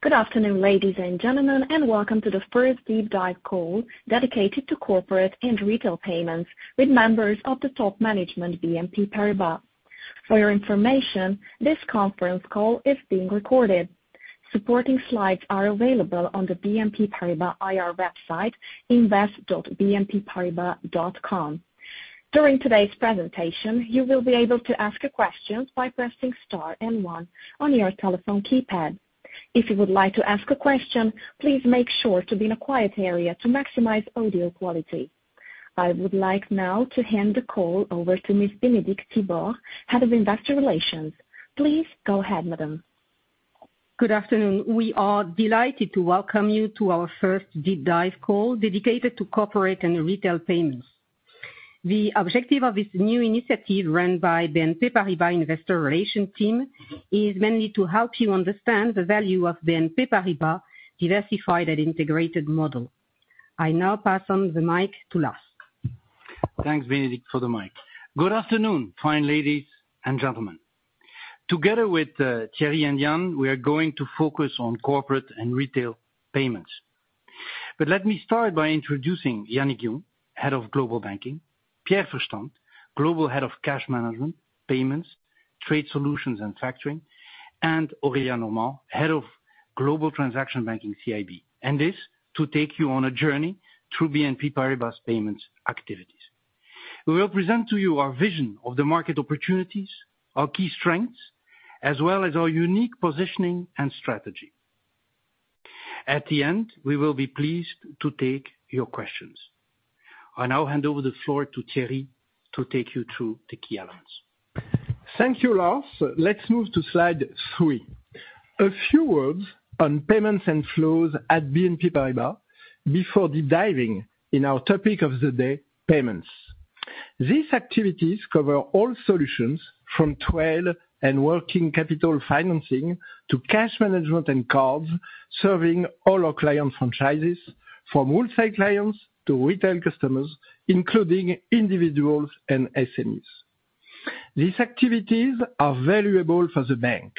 Good afternoon, ladies and gentlemen, and welcome to the first deep dive call dedicated to corporate and retail payments with members of the top management BNP Paribas. For your information, this conference call is being recorded. Supporting slides are available on the BNP Paribas IR website, invest.bnpparibas.com. During today's presentation, you will be able to ask questions by pressing star and one on your telephone keypad. If you would like to ask a question, please make sure to be in a quiet area to maximize audio quality. I would like now to hand the call over to Ms. Bénédicte Thibord, Head of Investor Relations. Please go ahead, Madame. Good afternoon. We are delighted to welcome you to our first deep dive call dedicated to corporate and retail payments. The objective of this new initiative run by BNP Paribas Investor Relations Team is mainly to help you understand the value of BNP Paribas' diversified and integrated model. I now pass on the mic to Lars. Thanks, Bénédicte, for the mic. Good afternoon, fine ladies and gentlemen. Together with Thierry and Yann, we are going to focus on corporate and retail payments. Let me start by introducing Yannick Jung, Head of Global Banking; Pierre Fersztand, Global Head of Cash Management, Payments, Trade Solutions and Factoring; and Aurélia Normand, Head of Global Transaction Banking, CIB. This is to take you on a journey through BNP Paribas' payments activities. We will present to you our vision of the market opportunities, our key strengths, as well as our unique positioning and strategy. At the end, we will be pleased to take your questions. I now hand over the floor to Thierry to take you through the key elements. Thank you, Lars. Let's move to slide three. A few words on payments and flows at BNP Paribas before deep diving into our topic of the day, payments. These activities cover all solutions, from trade and working capital financing to cash management and cards, serving all our client franchises, from wholesale clients to retail customers, including individuals and SMEs. These activities are valuable for the bank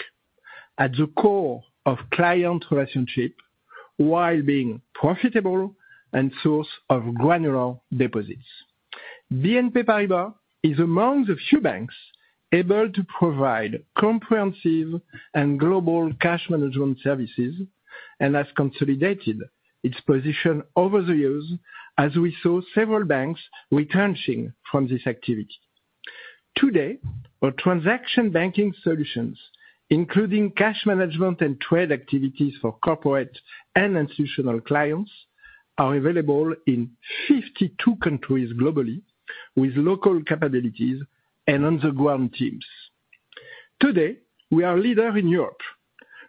at the core of client relationships while being profitable and a source of granular deposits. BNP Paribas is among the few banks able to provide comprehensive and global cash management services and has consolidated its position over the years, as we saw several banks retrenching from this activity. Today, our transaction banking solutions, including cash management and trade activities for corporate and institutional clients, are available in 52 countries globally with local capabilities and on-ground teams. Today, we are a leader in Europe.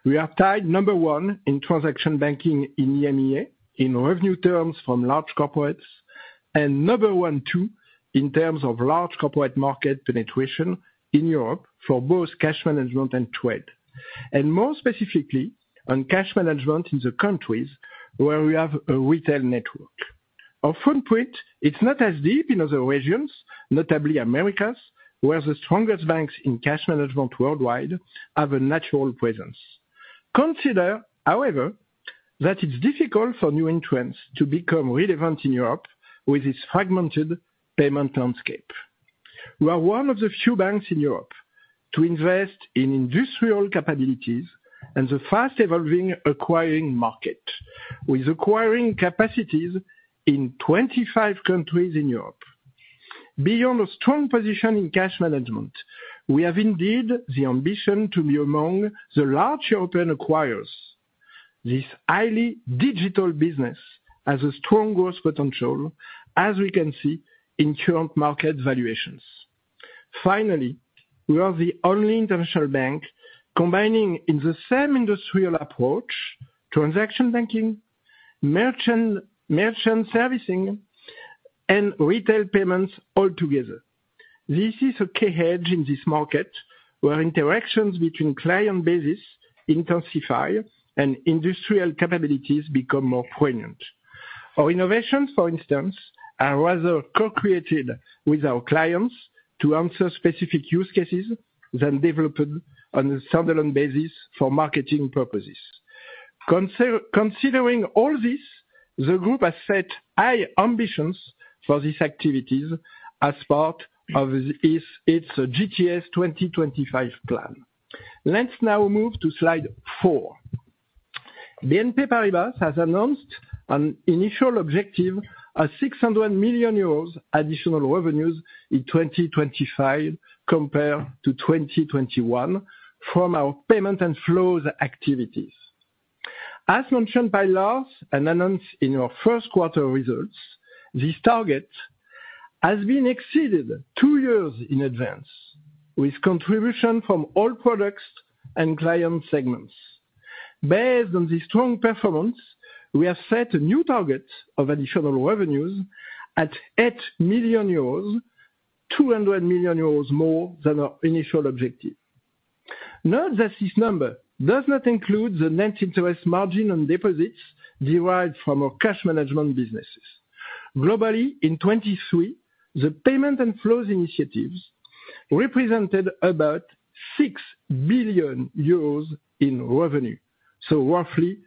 We are tied number one in transaction banking in EMEA in revenue terms from large corporates and number one or two in terms of large corporate market penetration in Europe for both cash management and trade, and more specifically on cash management in the countries where we have a retail network. Our footprint is not as deep in other regions, notably Americas, where the strongest banks in cash management worldwide have a natural presence. Consider, however, that it's difficult for new entrants to become relevant in Europe with this fragmented payment landscape. We are one of the few banks in Europe to invest in industrial capabilities and the fast-evolving acquiring market, with acquiring capacities in 25 countries in Europe. Beyond a strong position in cash management, we have indeed the ambition to be among the large European acquirers. This highly digital business has a strong growth potential, as we can see in current market valuations. Finally, we are the only international bank combining in the same industrial approach transaction banking, merchant servicing, and retail payments altogether. This is a key hedge in this market where interactions between client bases intensify and industrial capabilities become more poignant. Our innovations, for instance, are rather co-created with our clients to answer specific use cases than developed on a standalone basis for marketing purposes. Considering all this, the group has set high ambitions for these activities as part of its GTS 2025 plan. Let's now move to slide four. BNP Paribas has announced an initial objective of 600 million euros additional revenues in 2025 compared to 2021 from our payment and flows activities. As mentioned by Lars and announced in our first quarter results, this target has been exceeded two years in advance with contribution from all products and client segments. Based on this strong performance, we have set a new target of additional revenues at 8 million euros, 200 million euros more than our initial objective. Note that this number does not include the net interest margin on deposits derived from our cash management businesses. Globally, in 2023, the payment and flows initiatives represented about 6 billion euros in revenue, so roughly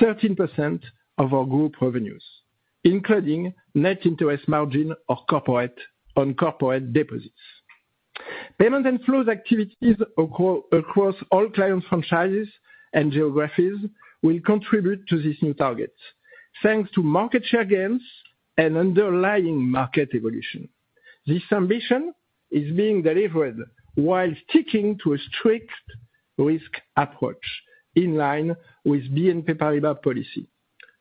13% of our group revenues, including net interest margin on corporate deposits. Payment and flows activities across all client franchises and geographies will contribute to this new target, thanks to market share gains and underlying market evolution. This ambition is being delivered while sticking to a strict risk approach in line with BNP Paribas policy.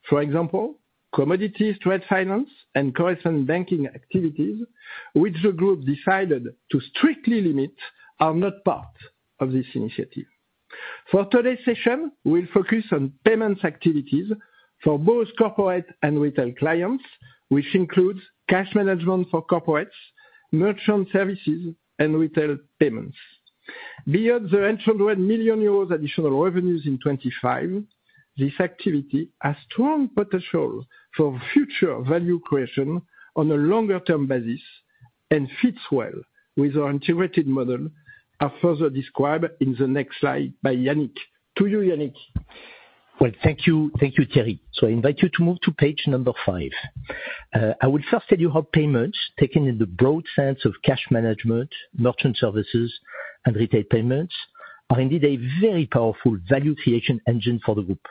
For example, commodity trade finance and correspondent banking activities, which the group decided to strictly limit, are not part of this initiative. For today's session, we'll focus on payments activities for both corporate and retail clients, which includes cash management for corporates, merchant services, and retail payments. Beyond the 800 million euros additional revenues in 2025, this activity has strong potential for future value creation on a longer-term basis and fits well with our integrated model, as further described in the next slide by Yannick. To you, Yannick. Well, thank you, Thierry. So I invite you to move to page number five. I will first tell you how payments taken in the broad sense of cash management, merchant services, and retail payments are indeed a very powerful value creation engine for the group.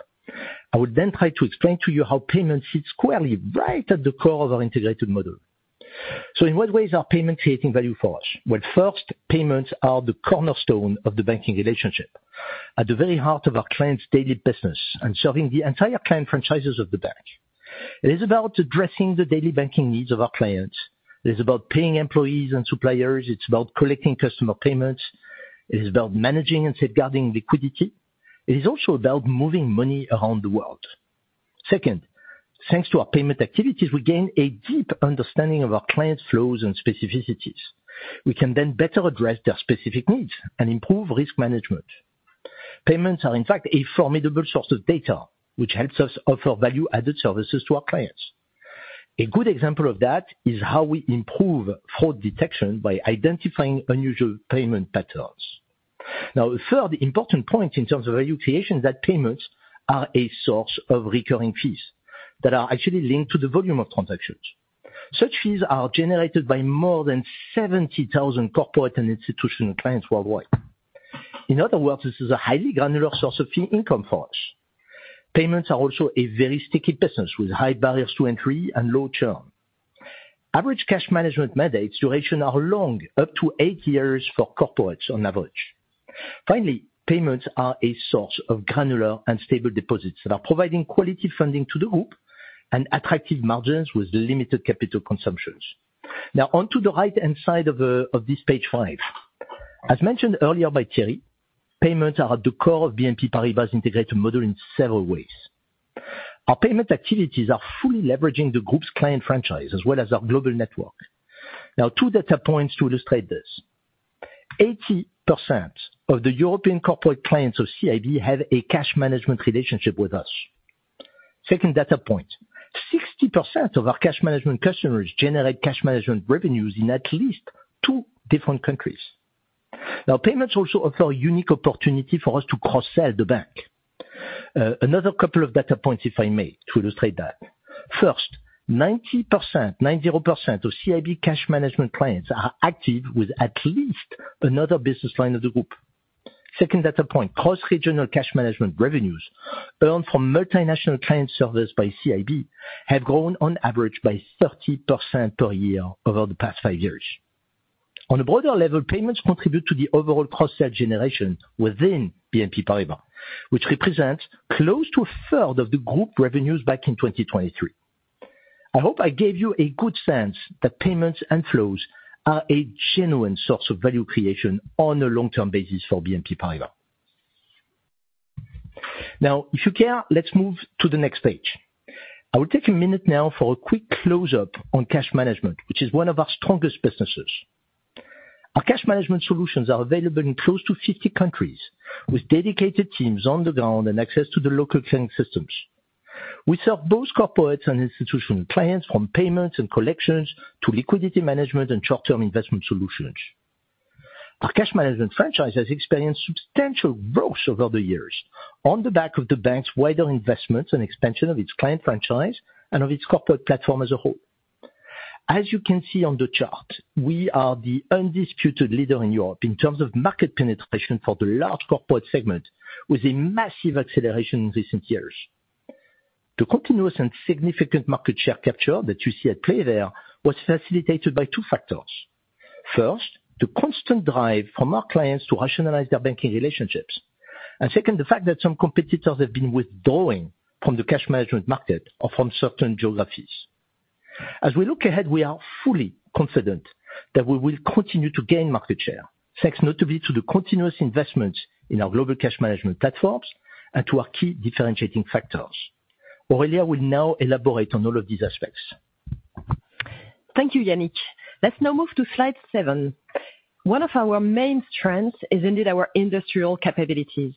I will then try to explain to you how payments sit squarely right at the core of our integrated model. So in what ways are payments creating value for us? Well, first, payments are the cornerstone of the banking relationship at the very heart of our client's daily business and serving the entire client franchises of the bank. It is about addressing the daily banking needs of our clients. It is about paying employees and suppliers. It's about collecting customer payments. It is about managing and safeguarding liquidity. It is also about moving money around the world. Second, thanks to our payment activities, we gain a deep understanding of our client's flows and specificities. We can then better address their specific needs and improve risk management. Payments are, in fact, a formidable source of data, which helps us offer value-added services to our clients. A good example of that is how we improve fraud detection by identifying unusual payment patterns. Now, a third important point in terms of value creation is that payments are a source of recurring fees that are actually linked to the volume of transactions. Such fees are generated by more than 70,000 corporate and institutional clients worldwide. In other words, this is a highly granular source of income for us. Payments are also a very sticky business with high barriers to entry and low churn. Average cash management mandates' durations are long, up to eight years for corporates on average. Finally, payments are a source of granular and stable deposits that are providing quality funding to the group and attractive margins with limited capital consumptions. Now, onto the right-hand side of this page five. As mentioned earlier by Thierry, payments are at the core of BNP Paribas' integrated model in several ways. Our payment activities are fully leveraging the group's client franchise as well as our global network. Now, two data points to illustrate this. 80% of the European corporate clients of CIB have a cash management relationship with us. Second data point, 60% of our cash management customers generate cash management revenues in at least two different countries. Now, payments also offer a unique opportunity for us to cross-sell the bank. Another couple of data points, if I may, to illustrate that. First, 90% of CIB cash management clients are active with at least another business line of the group. Second data point, cross-regional cash management revenues earned from multinational client service by CIB have grown on average by 30% per year over the past five years. On a broader level, payments contribute to the overall cross-sell generation within BNP Paribas, which represents close to a third of the group revenues back in 2023. I hope I gave you a good sense that payments and flows are a genuine source of value creation on a long-term basis for BNP Paribas. Now, if you care, let's move to the next page. I will take a minute now for a quick close-up on cash management, which is one of our strongest businesses. Our cash management solutions are available in close to 50 countries with dedicated teams on the ground and access to the local client systems. We serve both corporates and institutional clients from payments and collections to liquidity management and short-term investment solutions. Our cash management franchise has experienced substantial growth over the years on the back of the bank's wider investments and expansion of its client franchise and of its corporate platform as a whole. As you can see on the chart, we are the undisputed leader in Europe in terms of market penetration for the large corporate segment with a massive acceleration in recent years. The continuous and significant market share capture that you see at play there was facilitated by two factors. First, the constant drive from our clients to rationalize their banking relationships. Second, the fact that some competitors have been withdrawing from the cash management market or from certain geographies. As we look ahead, we are fully confident that we will continue to gain market share, thanks notably to the continuous investments in our global cash management platforms and to our key differentiating factors. Aurélia will now elaborate on all of these aspects. Thank you, Yannick. Let's now move to slide 7. One of our main strengths is indeed our industrial capabilities.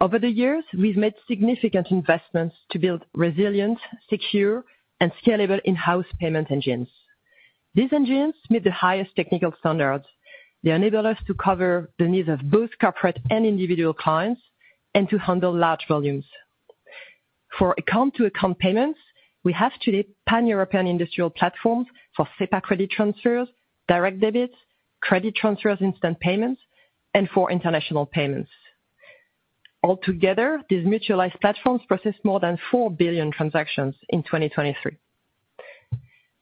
Over the years, we've made significant investments to build resilient, secure, and scalable in-house payment engines. These engines meet the highest technical standards. They enable us to cover the needs of both corporate and individual clients and to handle large volumes. For account-to-account payments, we have today pan-European industrial platforms for SEPA credit transfers, direct debits, credit transfers, instant payments, and for international payments. Altogether, these mutualized platforms process more than 4 billion transactions in 2023.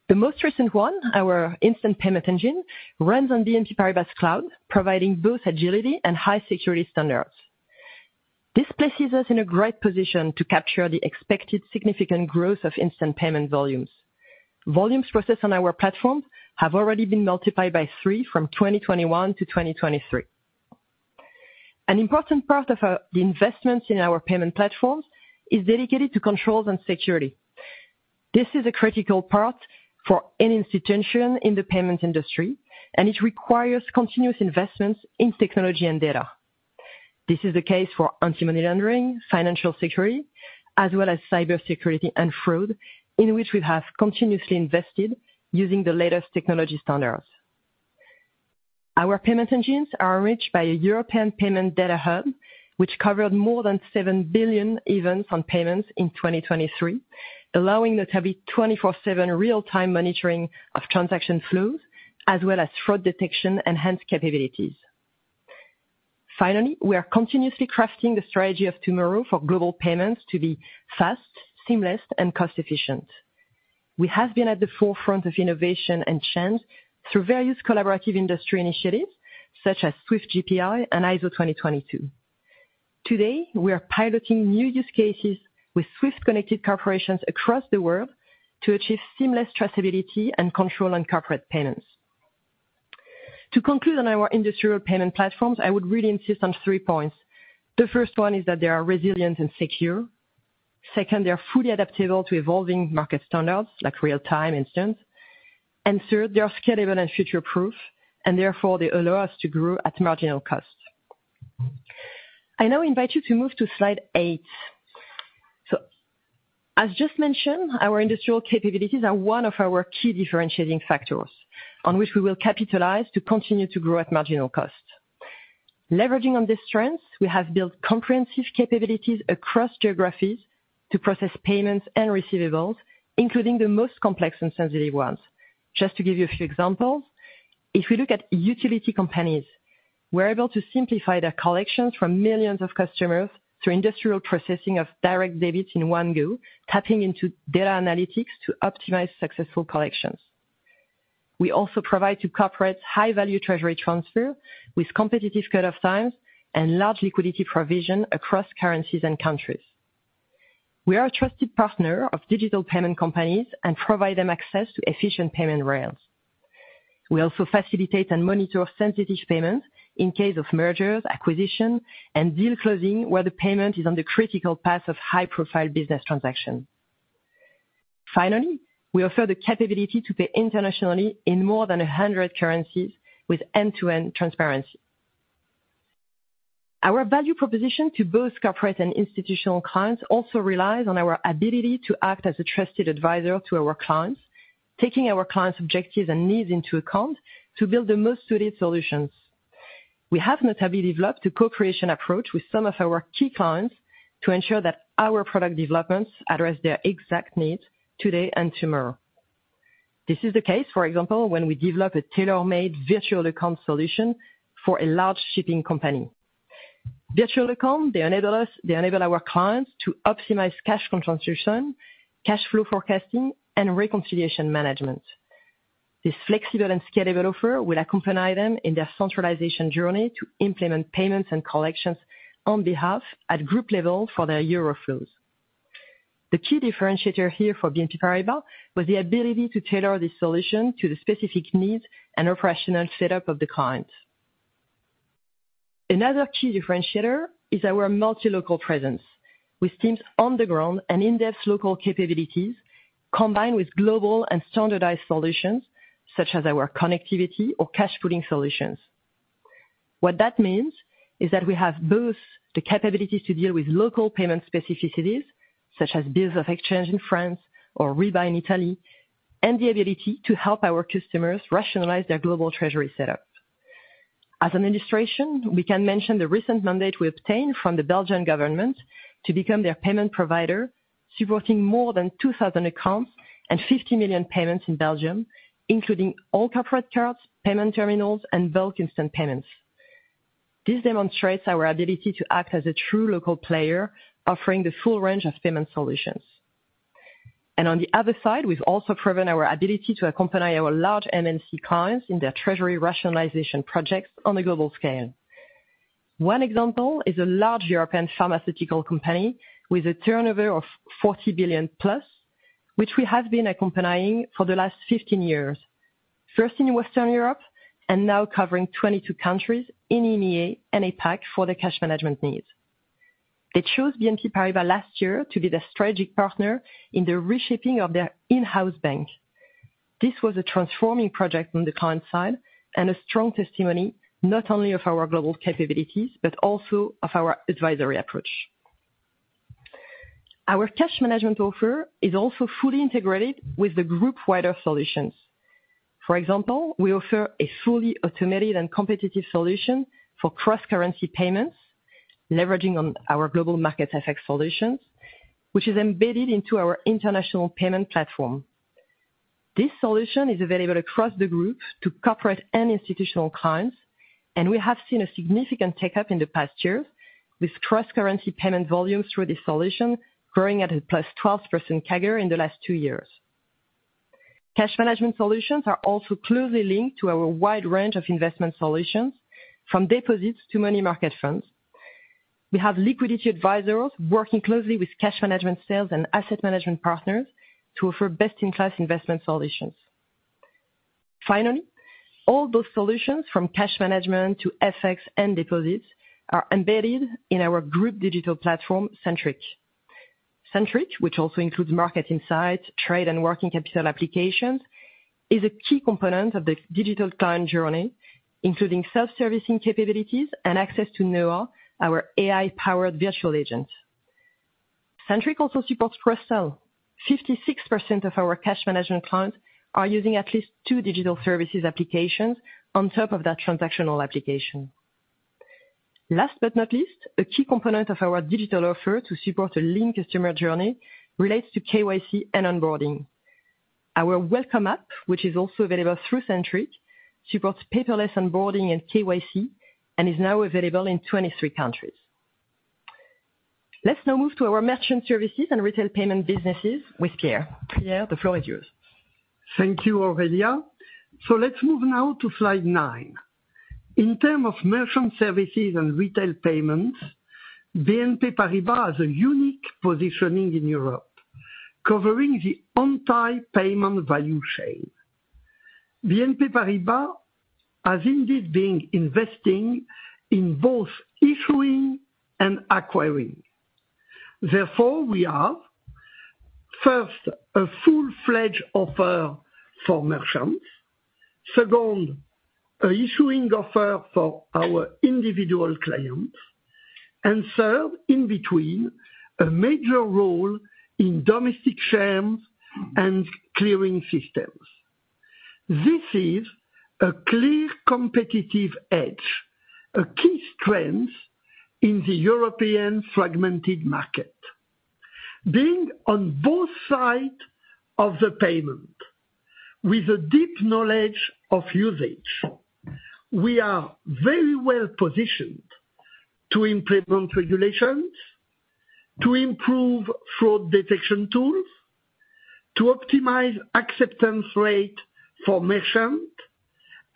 The most recent one, our instant payment engine, runs on BNP Paribas Cloud, providing both agility and high security standards. This places us in a great position to capture the expected significant growth of instant payment volumes. Volumes processed on our platform have already been multiplied by 3 from 2021 to 2023. An important part of the investments in our payment platforms is dedicated to controls and security. This is a critical part for any institution in the payments industry, and it requires continuous investments in technology and data. This is the case for anti-money laundering, financial security, as well as cybersecurity and fraud, in which we have continuously invested using the latest technology standards. Our payment engines are enriched by a European payment data hub, which covered more than 7 billion events on payments in 2023, allowing notably 24/7 real-time monitoring of transaction flows, as well as fraud detection and hence capabilities. Finally, we are continuously crafting the strategy of tomorrow for global payments to be fast, seamless, and cost-efficient. We have been at the forefront of innovation and change through various collaborative industry initiatives such as SWIFT gpi and ISO 20022. Today, we are piloting new use cases with SWIFT-connected corporations across the world to achieve seamless traceability and control on corporate payments. To conclude on our industrial payment platforms, I would really insist on three points. The first one is that they are resilient and secure. Second, they are fully adaptable to evolving market standards like real-time instant. And third, they are scalable and future-proof, and therefore they allow us to grow at marginal cost. I now invite you to move to slide eight. So, as just mentioned, our industrial capabilities are one of our key differentiating factors on which we will capitalize to continue to grow at marginal cost. Leveraging on these strengths, we have built comprehensive capabilities across geographies to process payments and receivables, including the most complex and sensitive ones. Just to give you a few examples, if we look at utility companies, we're able to simplify their collections from millions of customers through industrial processing of direct debits in one go, tapping into data analytics to optimize successful collections. We also provide to corporates high-value treasury transfer with competitive cut-off times and large liquidity provision across currencies and countries. We are a trusted partner of digital payment companies and provide them access to efficient payment rails. We also facilitate and monitor sensitive payments in case of mergers, acquisitions, and deal closing where the payment is on the critical path of high-profile business transactions. Finally, we offer the capability to pay internationally in more than 100 currencies with end-to-end transparency. Our value proposition to both corporate and institutional clients also relies on our ability to act as a trusted advisor to our clients, taking our clients' objectives and needs into account to build the most suited solutions. We have notably developed a co-creation approach with some of our key clients to ensure that our product developments address their exact needs today and tomorrow. This is the case, for example, when we develop a tailor-made virtual account solution for a large shipping company. Virtual accounts enable our clients to optimize cash contribution, cash flow forecasting, and reconciliation management. This flexible and scalable offer will accompany them in their centralization journey to implement payments and collections on behalf of the group level for their euro flows. The key differentiator here for BNP Paribas was the ability to tailor this solution to the specific needs and operational setup of the client. Another key differentiator is our multi-local presence with teams on the ground and in-depth local capabilities combined with global and standardized solutions such as our connectivity or cash pooling solutions. What that means is that we have both the capabilities to deal with local payment specificities such as bills of exchange in France or RiBa in Italy, and the ability to help our customers rationalize their global treasury setup. As an illustration, we can mention the recent mandate we obtained from the Belgian government to become their payment provider, supporting more than 2,000 accounts and 50 million payments in Belgium, including all corporate cards, payment terminals, and bulk instant payments. This demonstrates our ability to act as a true local player, offering the full range of payment solutions. On the other side, we've also proven our ability to accompany our large MNC clients in their treasury rationalization projects on a global scale. One example is a large European pharmaceutical company with a turnover of 40 billion plus, which we have been accompanying for the last 15 years, first in Western Europe and now covering 22 countries in EMEA and APAC for their cash management needs. They chose BNP Paribas last year to be the strategic partner in the reshaping of their in-house bank. This was a transforming project on the client side and a strong testimony not only of our global capabilities, but also of our advisory approach. Our cash management offer is also fully integrated with the group wider solutions. For example, we offer a fully automated and competitive solution for cross-currency payments, leveraging on our global market effect solutions, which is embedded into our international payment platform. This solution is available across the group to corporate and institutional clients, and we have seen a significant take-up in the past years with cross-currency payment volumes through this solution growing at a +12% CAGR in the last two years. Cash management solutions are also closely linked to our wide range of investment solutions, from deposits to money market funds. We have liquidity advisors working closely with cash management sales and asset management partners to offer best-in-class investment solutions. Finally, all those solutions from cash management to FX and deposits are embedded in our group digital platform, Centric. Centric, which also includes market insights, trade, and working capital applications, is a key component of the digital client journey, including self-servicing capabilities and access to NOA, our AI-powered virtual agents. Centric also supports cross-sell. 56% of our cash management clients are using at least two digital services applications on top of that transactional application. Last but not least, a key component of our digital offer to support a lean customer journey relates to KYC and onboarding. Our Welcome app, which is also available through Centric, supports paperless onboarding and KYC and is now available in 23 countries. Let's now move to our merchant services and retail payment businesses with Pierre. Pierre, the floor is yours. Thank you, Aurélia. So let's move now to slide 9. In terms of merchant services and retail payments, BNP Paribas has a unique positioning in Europe, covering the entire payment value chain. BNP Paribas has indeed been investing in both issuing and acquiring. Therefore, we have, first, a full-fledged offer for merchants, second, an issuing offer for our individual clients, and third, in between, a major role in domestic shares and clearing systems. This is a clear competitive edge, a key strength in the European fragmented market. Being on both sides of the payment with a deep knowledge of usage, we are very well positioned to implement regulations, to improve fraud detection tools, to optimize acceptance rate for merchants,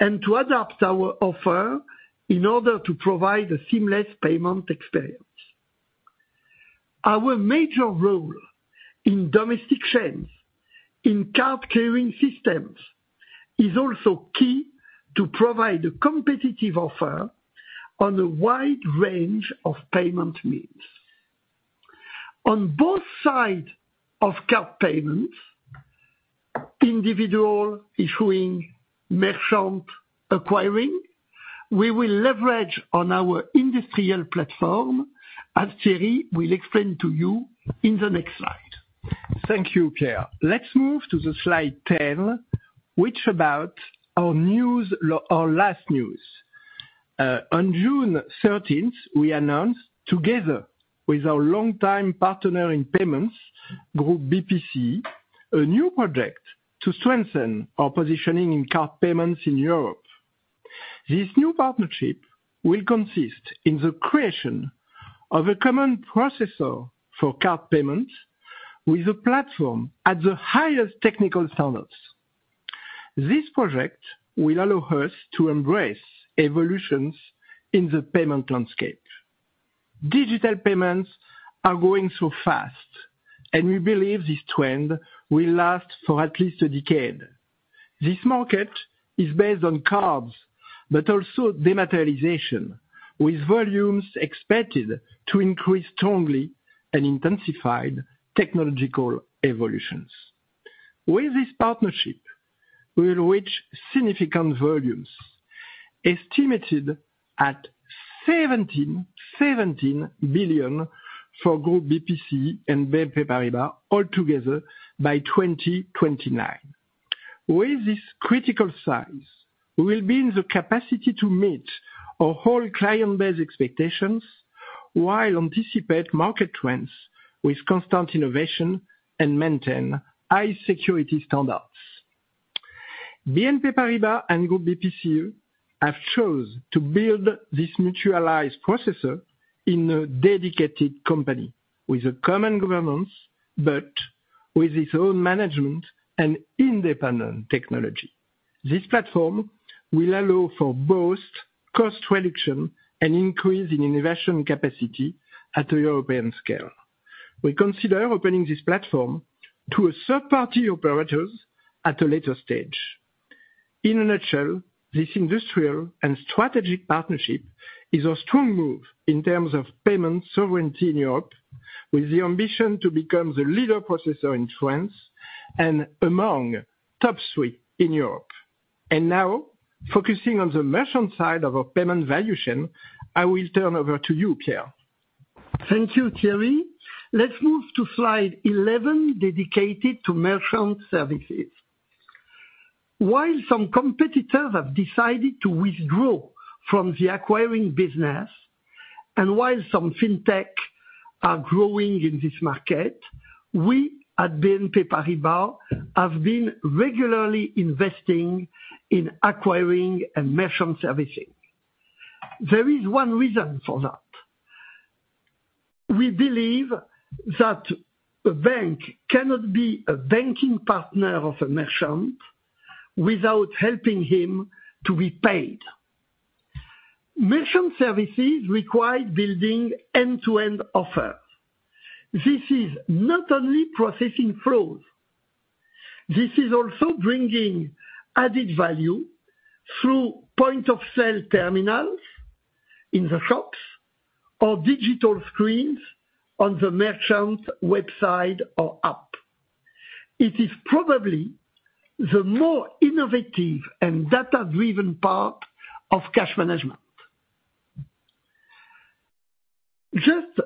and to adapt our offer in order to provide a seamless payment experience. Our major role in domestic shares, in card clearing systems, is also key to provide a competitive offer on a wide range of payment means. On both sides of card payments, individual, issuing, merchant, acquiring, we will leverage on our industrial platform, as Thierry will explain to you in the next slide. Thank you, Pierre. Let's move to slide 10, which is about our latest news. On June 13, we announced, together with our longtime partner in payments, BPCE, a new project to strengthen our positioning in card payments in Europe. This new partnership will consist in the creation of a common processor for card payments with a platform at the highest technical standards. This project will allow us to embrace evolutions in the payment landscape. Digital payments are growing so fast, and we believe this trend will last for at least a decade. This market is based on cards, but also dematerialization, with volumes expected to increase strongly and intensify technological evolutions. With this partnership, we will reach significant volumes estimated at 17 billion for BPCE and BNP Paribas altogether by 2029. With this critical size, we will be in the capacity to meet our whole client base expectations while anticipating market trends with constant innovation and maintaining high security standards. BNP Paribas and BPCE have chosen to build this mutualized processor in a dedicated company with a common governance, but with its own management and independent technology. This platform will allow for both cost reduction and increase in innovation capacity at a European scale. We consider opening this platform to third-party operators at a later stage. In a nutshell, this industrial and strategic partnership is a strong move in terms of payment sovereignty in Europe, with the ambition to become the leading processor in France and among the top three in Europe. Now, focusing on the merchant side of our payment value chain, I will turn over to you, Pierre. Thank you, Thierry. Let's move to slide 11, dedicated to merchant services. While some competitors have decided to withdraw from the acquiring business, and while some fintechs are growing in this market, we at BNP Paribas have been regularly investing in acquiring and merchant servicing. There is one reason for that. We believe that a bank cannot be a banking partner of a merchant without helping him to be paid. Merchant services require building end-to-end offers. This is not only processing flows. This is also bringing added value through point-of-sale terminals in the shops or digital screens on the merchant website or app. It is probably the more innovative and data-driven part of cash management. Just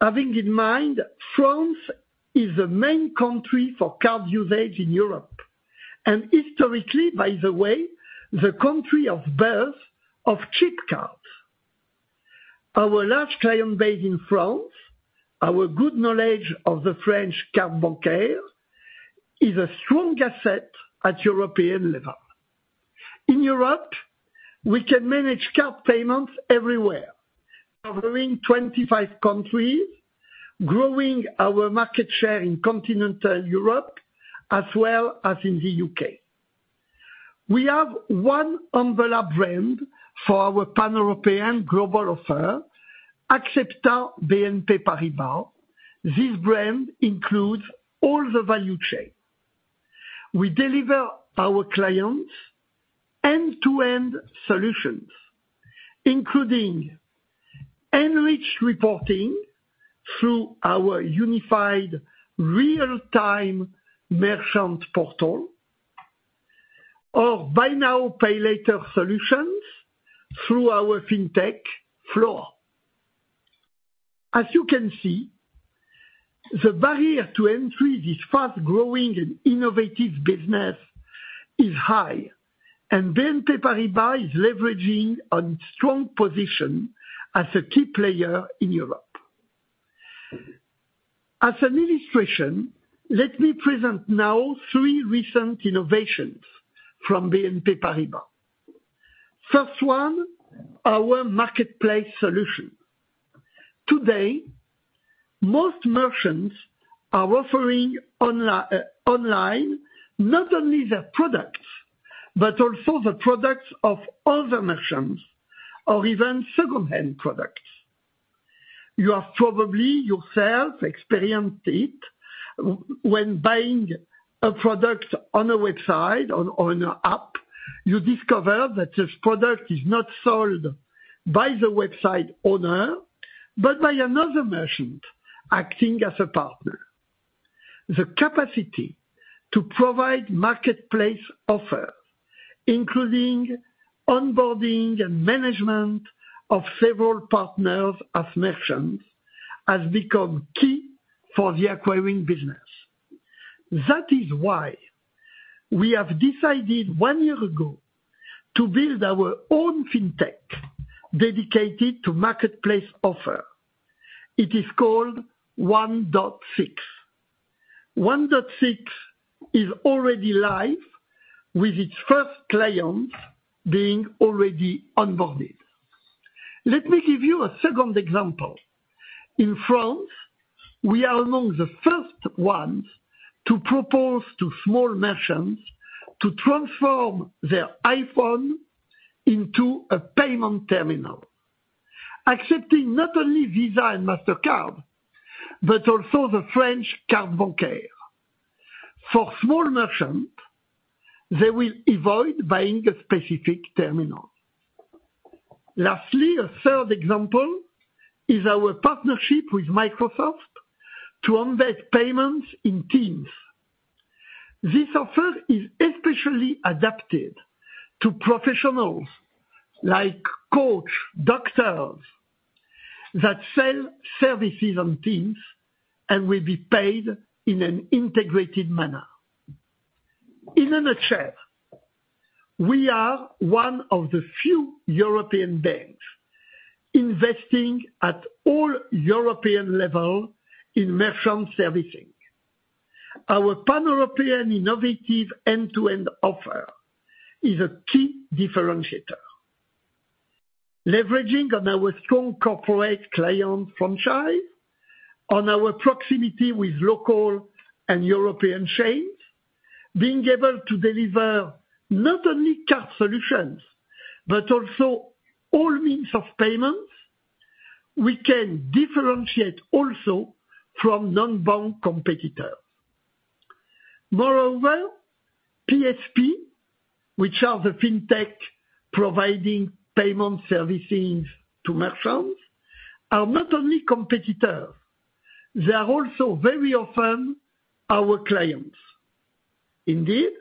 having in mind, France is the main country for card usage in Europe, and historically, by the way, the country of birth of chip cards. Our large client base in France, our good knowledge of the French Carte Bancaire, is a strong asset at European level. In Europe, we can manage card payments everywhere, covering 25 countries, growing our market share in continental Europe as well as in the UK. We have one envelope brand for our pan-European global offer, AXEPTA BNP Paribas. This brand includes all the value chain. We deliver our clients end-to-end solutions, including enriched reporting through our unified real-time merchant portal, or buy now, pay later solutions through our fintech Floa. As you can see, the barrier to entry to this fast-growing and innovative business is high, and BNP Paribas is leveraging its strong position as a key player in Europe. As an illustration, let me present now three recent innovations from BNP Paribas. First one, our marketplace solution. Today, most merchants are offering online not only their products, but also the products of other merchants or even second-hand products. You have probably yourself experienced it when buying a product on a website or on an app. You discover that this product is not sold by the website owner, but by another merchant acting as a partner. The capacity to provide marketplace offers, including onboarding and management of several partners as merchants, has become key for the acquiring business. That is why we have decided one year ago to build our own fintech dedicated to marketplace offer. It is called 1POINT6. 1POINT6 is already live, with its first clients being already onboarded. Let me give you a second example. In France, we are among the first ones to propose to small merchants to transform their iPhone into a payment terminal, accepting not only Visa and Mastercard, but also the French Carte Bancaire. For small merchants, they will avoid buying a specific terminal. Lastly, a third example is our partnership with Microsoft to embed payments in Teams. This offer is especially adapted to professionals like coaches, doctors that sell services on Teams and will be paid in an integrated manner. In a nutshell, we are one of the few European banks investing at all European levels in merchant services. Our pan-European innovative end-to-end offer is a key differentiator, leveraging on our strong corporate client franchise, on our proximity with local and European chains, being able to deliver not only card solutions, but also all means of payment. We can differentiate also from non-bank competitors. Moreover, PSP, which are the fintechs providing payment services to merchants, are not only competitors. They are also very often our clients. Indeed,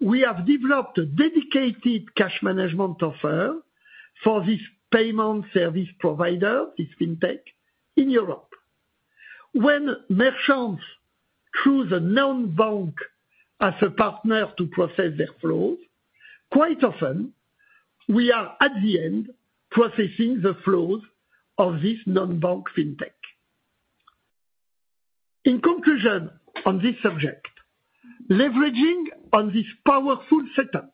we have developed a dedicated cash management offer for this payment service provider, this fintech in Europe. When merchants choose a non-bank as a partner to process their flows, quite often, we are at the end processing the flows of this non-bank fintech. In conclusion on this subject, leveraging on this powerful setup,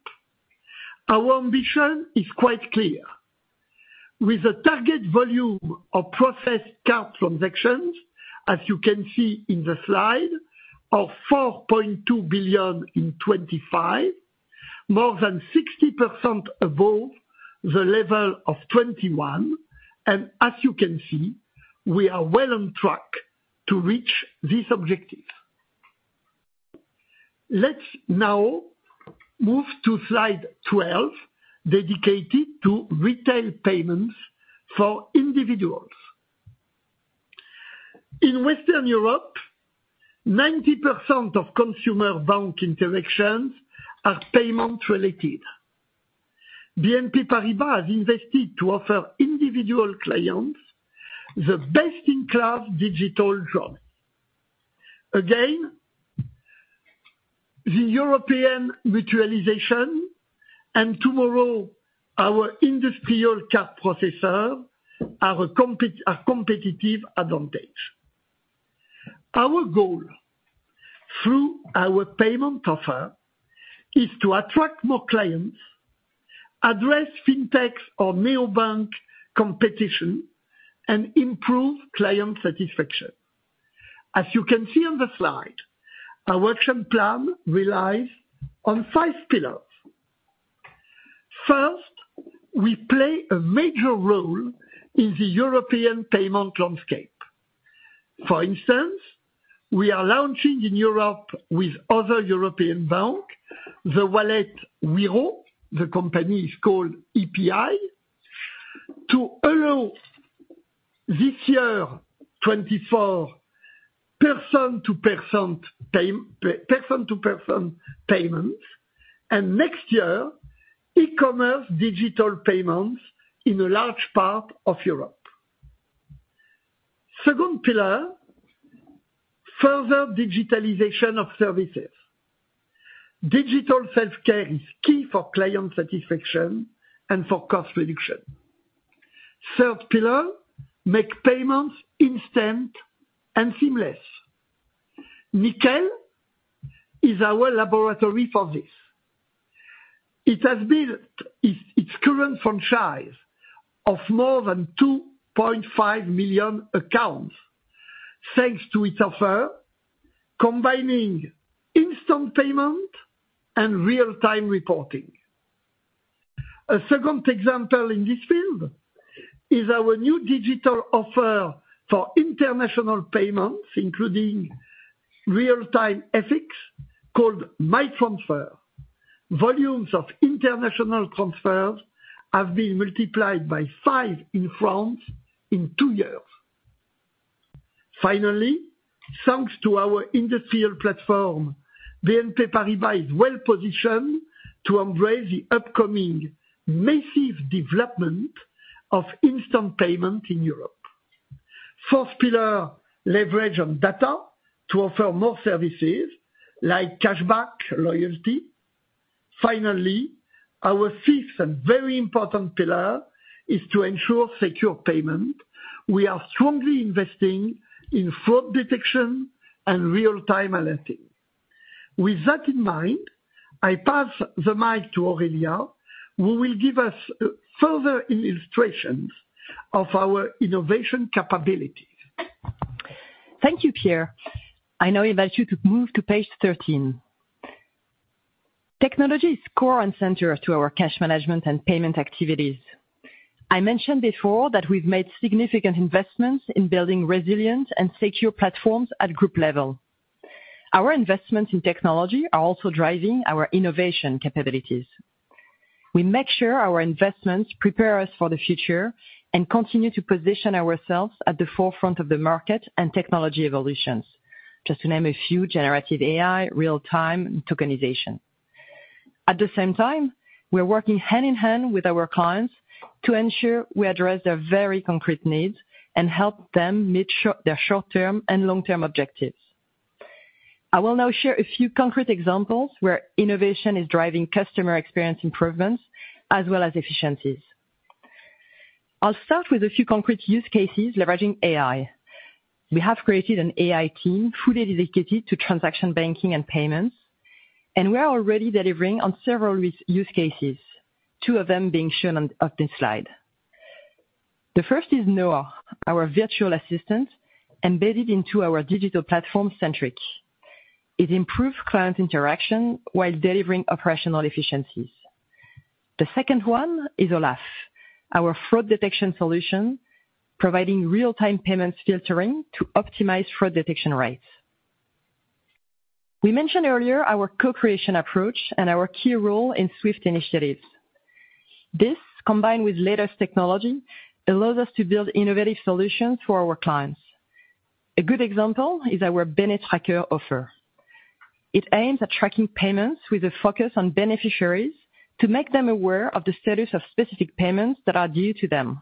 our ambition is quite clear. With a target volume of processed card transactions, as you can see in the slide, of 4.2 billion in 2025, more than 60% above the level of 2021. And as you can see, we are well on track to reach this objective. Let's now move to slide 12, dedicated to retail payments for individuals. In Western Europe, 90% of consumer bank interactions are payment-related. BNP Paribas has invested to offer individual clients the best-in-class digital banking. Again, the European mutualization and tomorrow our industrial card processor are a competitive advantage. Our goal through our payment offer is to attract more clients, address fintechs or neobank competition, and improve client satisfaction. As you can see on the slide, our action plan relies on five pillars. First, we play a major role in the European payment landscape. For instance, we are launching in Europe with other European banks the wallet Wero. The company is called EPI to allow this year 24/7 person-to-person payments, and next year, e-commerce digital payments in a large part of Europe. Second pillar, further digitalization of services. Digital self-care is key for client satisfaction and for cost reduction. Third pillar, make payments instant and seamless. Nickel is our laboratory for this. It has built its current franchise of more than 2.5 million accounts thanks to its offer, combining instant payment and real-time reporting. A second example in this field is our new digital offer for international payments, including real-time FX called MyTransfer. Volumes of international transfers have been multiplied by 5 in France in 2 years. Finally, thanks to our industrial platform, BNP Paribas is well positioned to embrace the upcoming massive development of instant payment in Europe. Fourth pillar, leverage on data to offer more services like cashback, loyalty. Finally, our fifth and very important pillar is to ensure secure payment. We are strongly investing in fraud detection and real-time alerting. With that in mind, I pass the mic to Aurélia, who will give us further illustrations of our innovation capabilities. Thank you, Pierre. I now invite you to move to page 13. Technology is core and central to our cash management and payment activities. I mentioned before that we've made significant investments in building resilient and secure platforms at group level. Our investments in technology are also driving our innovation capabilities. We make sure our investments prepare us for the future and continue to position ourselves at the forefront of the market and technology evolutions, just to name a few: generative AI, real-time tokenization. At the same time, we're working hand in hand with our clients to ensure we address their very concrete needs and help them meet their short-term and long-term objectives. I will now share a few concrete examples where innovation is driving customer experience improvements as well as efficiencies. I'll start with a few concrete use cases leveraging AI. We have created an AI team fully dedicated to transaction banking and payments, and we're already delivering on several use cases, two of them being shown on this slide. The first is Noah, our virtual assistant embedded into our digital platform, Centric. It improves client interaction while delivering operational efficiencies. The second one is Olaf, our fraud detection solution, providing real-time payments filtering to optimize fraud detection rates. We mentioned earlier our co-creation approach and our key role in SWIFT initiatives. This, combined with latest technology, allows us to build innovative solutions for our clients. A good example is our Benetracker offer. It aims at tracking payments with a focus on beneficiaries to make them aware of the status of specific payments that are due to them.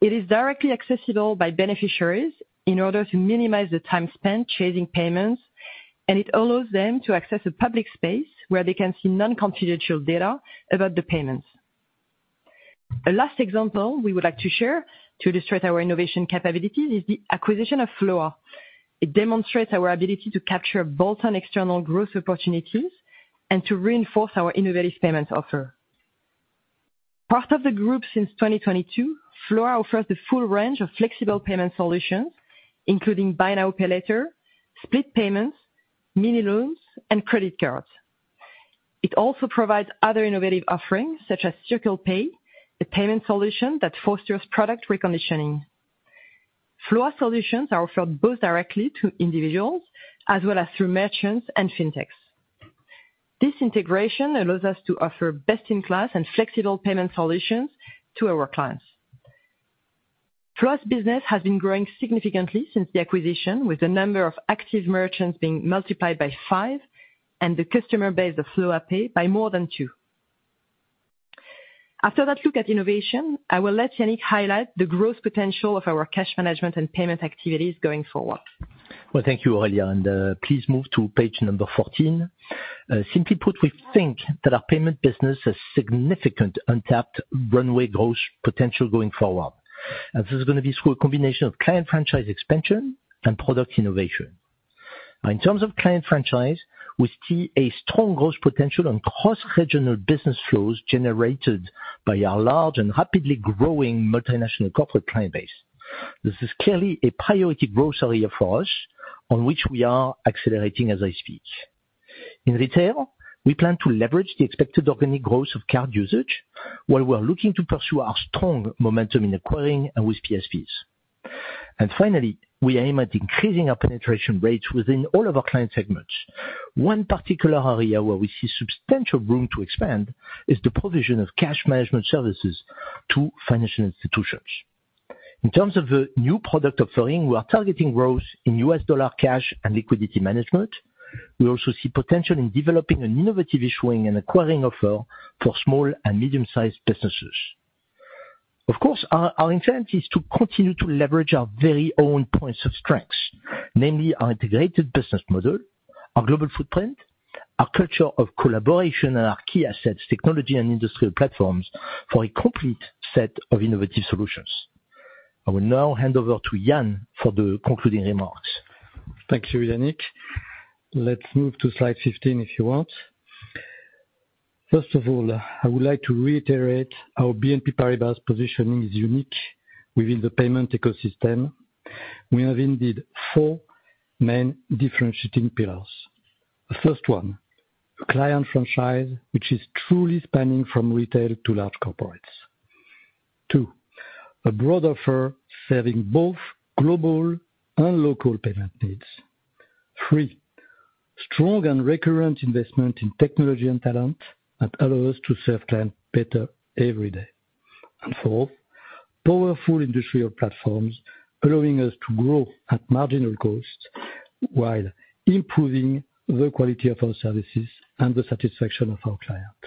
It is directly accessible by beneficiaries in order to minimize the time spent chasing payments, and it allows them to access a public space where they can see non-confidential data about the payments. A last example we would like to share to illustrate our innovation capabilities is the acquisition of Floa. It demonstrates our ability to capture bolt-on external growth opportunities and to reinforce our innovative payments offer. Part of the group since 2022, Floa offers the full range of flexible payment solutions, including buy now, pay later, split payments, mini loans, and credit cards. It also provides other innovative offerings such as CirclePay, a payment solution that fosters product reconditioning. Floa solutions are offered both directly to individuals as well as through merchants and fintechs. This integration allows us to offer best-in-class and flexible payment solutions to our clients. Floa's business has been growing significantly since the acquisition, with the number of active merchants being multiplied by five and the customer base of Floa Pay by more than two. After that, look at innovation, I will let Yannick highlight the growth potential of our cash management and payment activities going forward. Well, thank you, Aurelia. Please move to page number 14. Simply put, we think that our payment business has significant untapped runway growth potential going forward. This is going to be through a combination of client franchise expansion and product innovation. In terms of client franchise, we see a strong growth potential on cross-regional business flows generated by our large and rapidly growing multinational corporate client base. This is clearly a priority growth area for us on which we are accelerating as I speak. In retail, we plan to leverage the expected organic growth of card usage while we're looking to pursue our strong momentum in acquiring and with PSPs. Finally, we aim at increasing our penetration rates within all of our client segments. One particular area where we see substantial room to expand is the provision of cash management services to financial institutions. In terms of the new product offering, we are targeting growth in U.S. dollar cash and liquidity management. We also see potential in developing an innovative issuing and acquiring offer for small and medium-sized businesses. Of course, our intent is to continue to leverage our very own points of strength, namely our integrated business model, our global footprint, our culture of collaboration, and our key assets, technology and industrial platforms for a complete set of innovative solutions. I will now hand over to Yann for the concluding remarks. Thank you, Yannick. Let's move to slide 15 if you want. First of all, I would like to reiterate how BNP Paribas' positioning is unique within the payment ecosystem. We have indeed four main differentiating pillars. The first one, client franchise, which is truly spanning from retail to large corporates. Two, a broad offer serving both global and local payment needs. Three, strong and recurrent investment in technology and talent that allows us to serve clients better every day. And fourth, powerful industrial platforms allowing us to grow at marginal costs while improving the quality of our services and the satisfaction of our clients.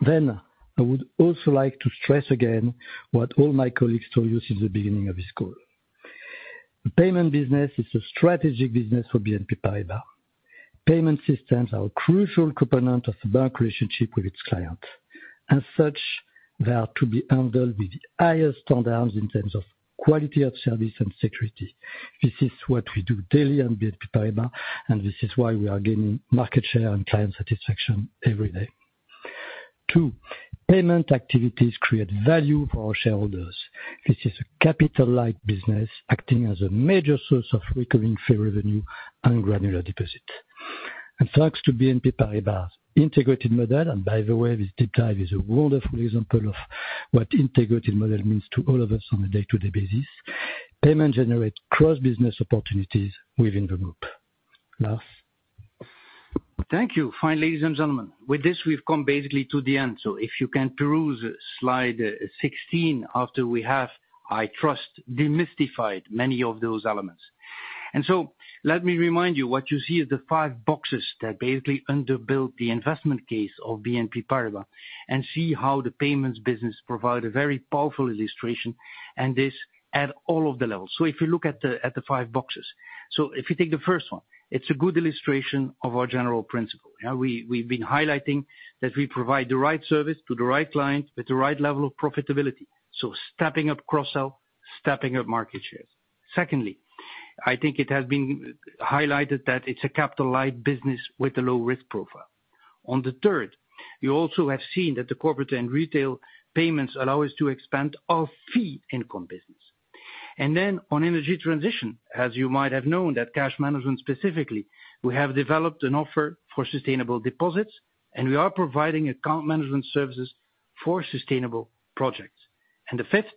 Then, I would also like to stress again what all my colleagues told you since the beginning of this call. The payment business is a strategic business for BNP Paribas. Payment systems are a crucial component of the bank relationship with its clients. As such, they are to be handled with the highest standards in terms of quality of service and security. This is what we do daily at BNP Paribas, and this is why we are gaining market share and client satisfaction every day. Two, payment activities create value for our shareholders. This is a capital-like business acting as a major source of recurring fee revenue and granular deposits. Thanks to BNP Paribas' integrated model, and by the way, this deep dive is a wonderful example of what integrated model means to all of us on a day-to-day basis. Payment generates cross-business opportunities within the group. Last. Thank you. Finally, ladies and gentlemen, with this, we've come basically to the end. So if you can peruse slide 16 after we have, I trust, demystified many of those elements. And so let me remind you what you see is the five boxes that basically underpin the investment case of BNP Paribas and see how the payments business provides a very powerful illustration, and this at all of the levels. So if you look at the five boxes, so if you take the first one, it's a good illustration of our general principle. We've been highlighting that we provide the right service to the right client with the right level of profitability. So stepping up cross-sell, stepping up market shares. Secondly, I think it has been highlighted that it's a capital-like business with a low risk profile. On the third, you also have seen that the corporate and retail payments allow us to expand our fee income business. Then on energy transition, as you might have known that cash management specifically, we have developed an offer for sustainable deposits, and we are providing account management services for sustainable projects. The fifth,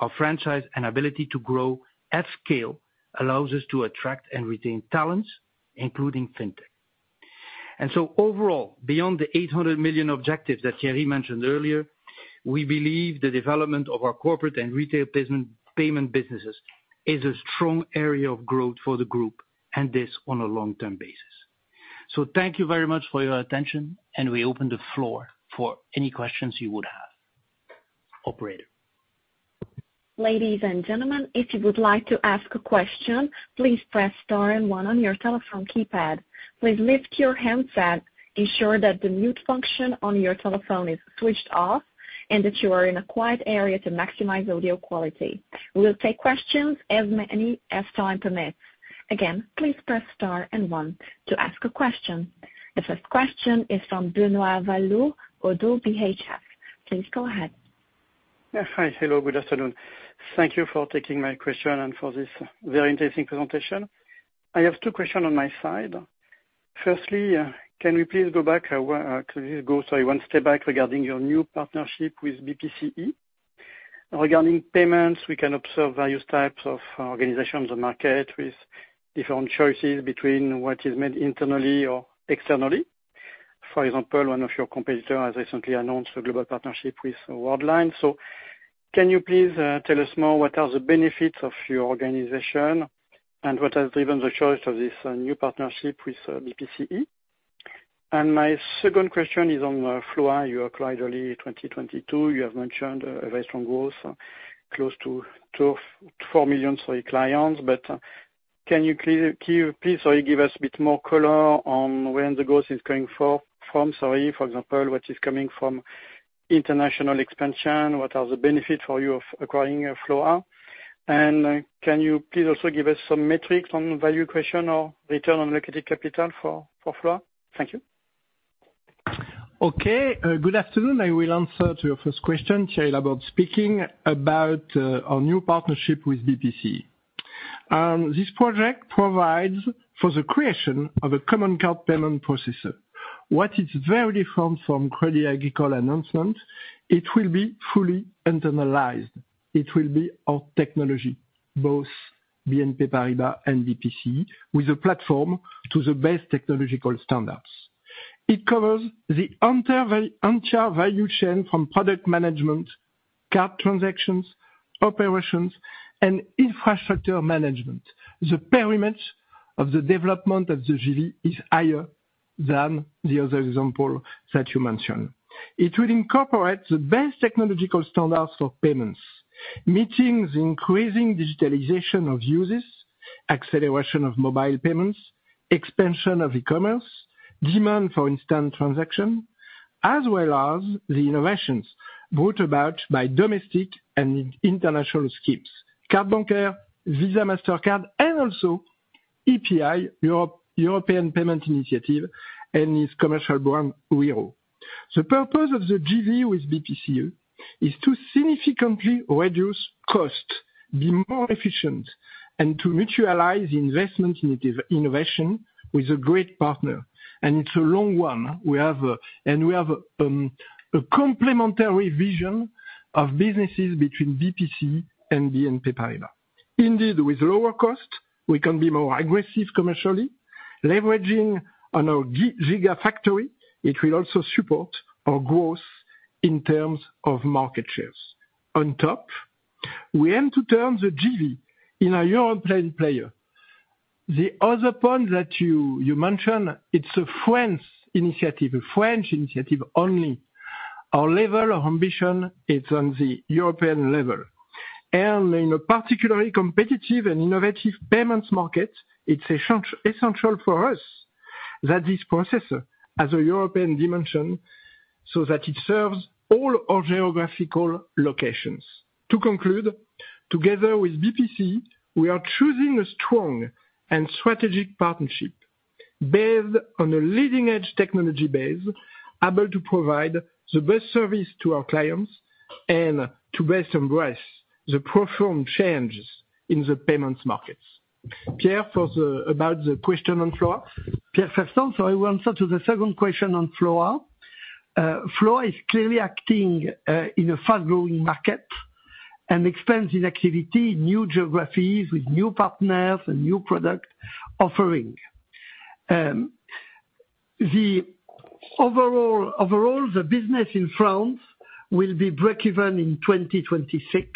our franchise and ability to grow at scale allows us to attract and retain talents, including fintech. So overall, beyond the 800 million objectives that Thierry mentioned earlier, we believe the development of our corporate and retail payment businesses is a strong area of growth for the group, and this on a long-term basis. So thank you very much for your attention, and we open the floor for any questions you would have. Operator. Ladies and gentlemen, if you would like to ask a question, please press star and one on your telephone keypad. Please lift your hands up. Ensure that the mute function on your telephone is switched off and that you are in a quiet area to maximize audio quality. We'll take questions as many as time permits. Again, please press star and one to ask a question. The first question is from Benoît Valla, ODDO BHF. Please go ahead. Yes, hi, hello, good afternoon. Thank you for taking my question and for this very interesting presentation. I have two questions on my side. Firstly, can we please go back one step back regarding your new partnership with BPCE? Regarding payments, we can observe various types of organizations on the market with different choices between what is made internally or externally. For example, one of your competitors has recently announced a global partnership with Worldline. So can you please tell us more what are the benefits of your organization and what has driven the choice of this new partnership with BPCE? And my second question is on Floa. You acquired early 2022. You have mentioned a very strong growth, close to 4 million clients. But can you please give us a bit more color on where the growth is coming from? For example, what is coming from international expansion? What are the benefits for you of acquiring Floa? And can you please also give us some metrics on value creation or return on allocated capital for Floa? Thank you. Okay. Good afternoon. I will answer to your first question, Thierry Laborde speaking, about our new partnership with BPCE. This project provides for the creation of a common card payment processor. What is very different from Crédit Agricole announcement, it will be fully internalized. It will be our technology, both BNP Paribas and BPCE, with a platform to the best technological standards. It covers the entire value chain from product management, card transactions, operations, and infrastructure management. The perimeter of the development of the JV is higher than the other example that you mentioned. It will incorporate the best technological standards for payments, meeting the increasing digitalization of users, acceleration of mobile payments, expansion of e-commerce, demand for instant transaction, as well as the innovations brought about by domestic and international schemes, Cartes Bancaires, Visa, Mastercard, and also EPI, European Payments Initiative, and its commercial brand, Wero. The purpose of the JV with BPCE is to significantly reduce costs, be more efficient, and to mutualize investment innovation with a great partner. And it's a long one. We have a complementary vision of businesses between BPCE and BNP Paribas. Indeed, with lower costs, we can be more aggressive commercially. Leveraging on our gigafactory, it will also support our growth in terms of market shares. On top, we aim to turn the JV in a European player. The other point that you mentioned, it's a French initiative, a French initiative only. Our level of ambition is on the European level. And in a particularly competitive and innovative payments market, it's essential for us that this processor has a European dimension so that it serves all our geographical locations. To conclude, together with BPCE, we are choosing a strong and strategic partnership based on a leading-edge technology base able to provide the best service to our clients and to best embrace the profound changes in the payments markets. About the question on Floa, Pierre Fersztand, so I will answer to the second question on Floa. Floa is clearly acting in a fast-growing market and expands in activity, new geographies with new partners and new product offering. Overall, the business in France will be break-even in 2026.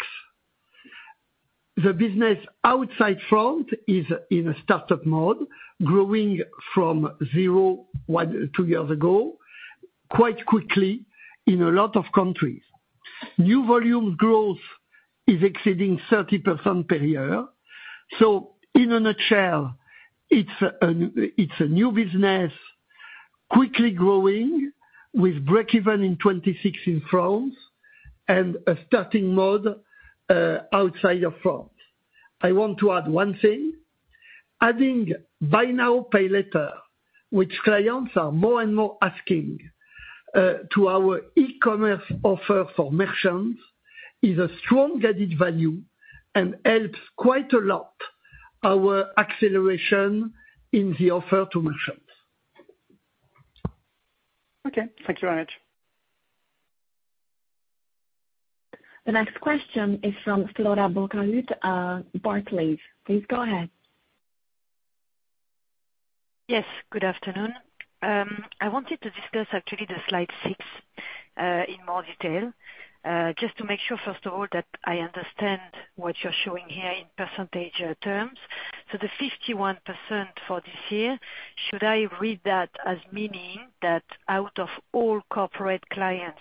The business outside France is in a startup mode, growing from 0 2 years ago quite quickly in a lot of countries. New volume growth is exceeding 30% per year. So in a nutshell, it's a new business, quickly growing with break-even in 2026 in France and a starting mode outside of France. I want to add one thing. Adding Buy Now Pay Later, which clients are more and more asking to our e-commerce offer for merchants, is a strong added value and helps quite a lot our acceleration in the offer to merchants. Okay. Thank you very much. The next question is from Flora Bocahut, Barclays. Please go ahead. Yes, good afternoon. I wanted to discuss actually the slide 6 in more detail just to make sure, first of all, that I understand what you're showing here in percentage terms. So the 51% for this year, should I read that as meaning that out of all corporate clients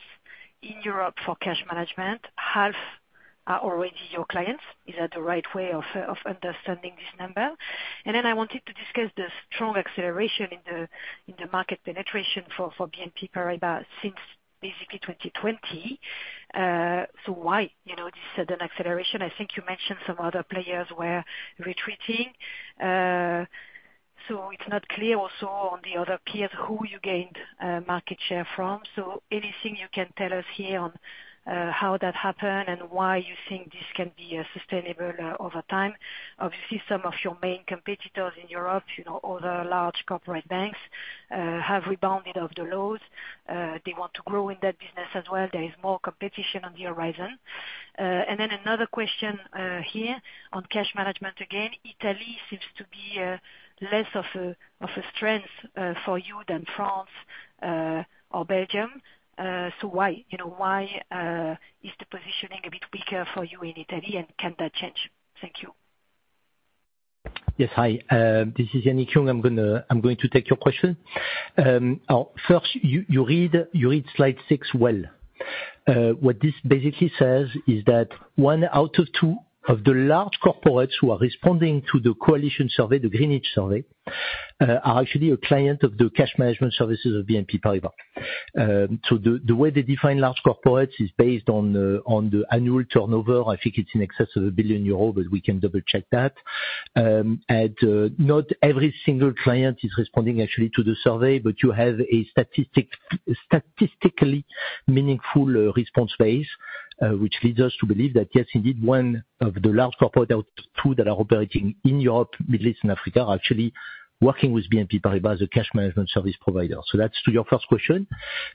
in Europe for cash management, half are already your clients? Is that the right way of understanding this number? And then I wanted to discuss the strong acceleration in the market penetration for BNP Paribas since basically 2020. So why this sudden acceleration? I think you mentioned some other players were retreating. So it's not clear also on the other peers who you gained market share from. So anything you can tell us here on how that happened and why you think this can be sustainable over time? Obviously, some of your main competitors in Europe, other large corporate banks, have rebounded off the lows. They want to grow in that business as well. There is more competition on the horizon. And then another question here on cash management again. Italy seems to be less of a strength for you than France or Belgium. So why is the positioning a bit weaker for you in Italy, and can that change? Thank you. Yes, hi. This is Yannick Jung. I'm going to take your question. First, you read slide 6 well. What this basically says is that one out of two of the large corporates who are responding to the Coalition Greenwich survey are actually a client of the cash management services of BNP Paribas. So the way they define large corporates is based on the annual turnover. I think it's in excess of 1 billion euro, but we can double-check that. And not every single client is responding actually to the survey, but you have a statistically meaningful response base, which leads us to believe that yes, indeed, one of the large corporates out of two that are operating in Europe, Middle East, and Africa are actually working with BNP Paribas as a cash management service provider. So that's to your first question.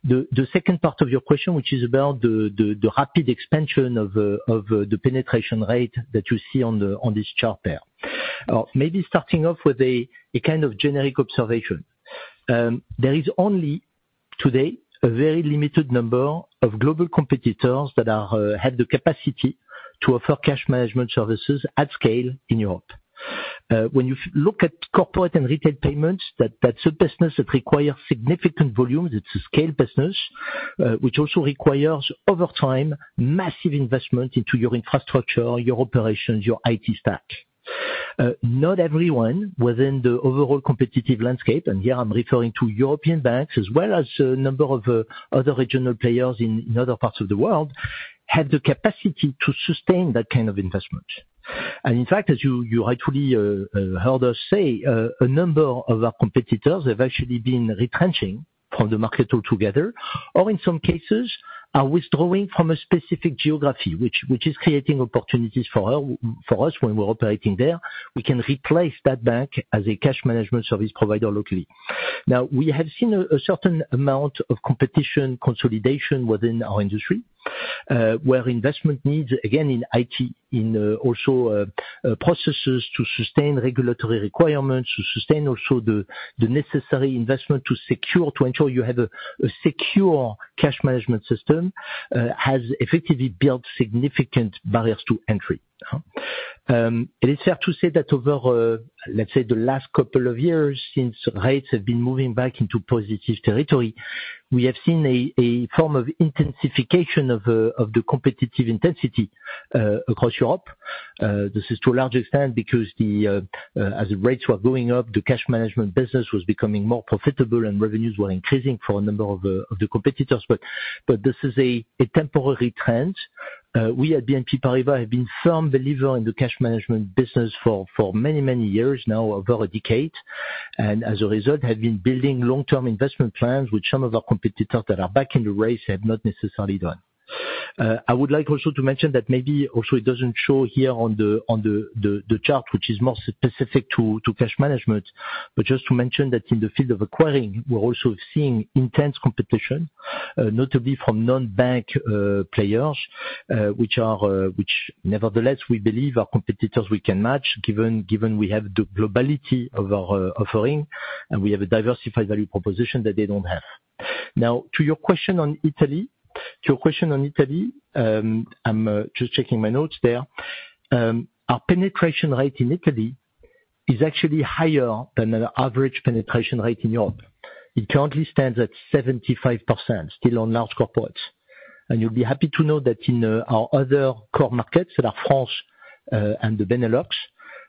The second part of your question, which is about the rapid expansion of the penetration rate that you see on this chart there. Maybe starting off with a kind of generic observation. There is only today a very limited number of global competitors that have the capacity to offer cash management services at scale in Europe. When you look at corporate and retail payments, that's a business that requires significant volumes. It's a scale business, which also requires over time massive investment into your infrastructure, your operations, your IT stack. Not everyone within the overall competitive landscape, and here I'm referring to European banks as well as a number of other regional players in other parts of the world, have the capacity to sustain that kind of investment. In fact, as you rightfully heard us say, a number of our competitors have actually been retrenching from the market altogether, or in some cases, are withdrawing from a specific geography, which is creating opportunities for us when we're operating there. We can replace that bank as a cash management service provider locally. Now, we have seen a certain amount of competition consolidation within our industry, where investment needs, again, in IT, in also processes to sustain regulatory requirements, to sustain also the necessary investment to ensure you have a secure cash management system, has effectively built significant barriers to entry. It is fair to say that over, let's say, the last couple of years, since rates have been moving back into positive territory, we have seen a form of intensification of the competitive intensity across Europe. This is to a large extent because as the rates were going up, the cash management business was becoming more profitable, and revenues were increasing for a number of the competitors. But this is a temporary trend. We at BNP Paribas have been firm believers in the cash management business for many, many years now, over a decade, and as a result, have been building long-term investment plans which some of our competitors that are back in the race have not necessarily done. I would like also to mention that maybe also it doesn't show here on the chart, which is more specific to cash management, but just to mention that in the field of acquiring, we're also seeing intense competition, notably from non-bank players, which nevertheless, we believe our competitors we can match, given we have the globality of our offering, and we have a diversified value proposition that they don't have. Now, to your question on Italy, to your question on Italy, I'm just checking my notes there. Our penetration rate in Italy is actually higher than an average penetration rate in Europe. It currently stands at 75%, still on large corporates. You'll be happy to know that in our other core markets, that are France and the Benelux,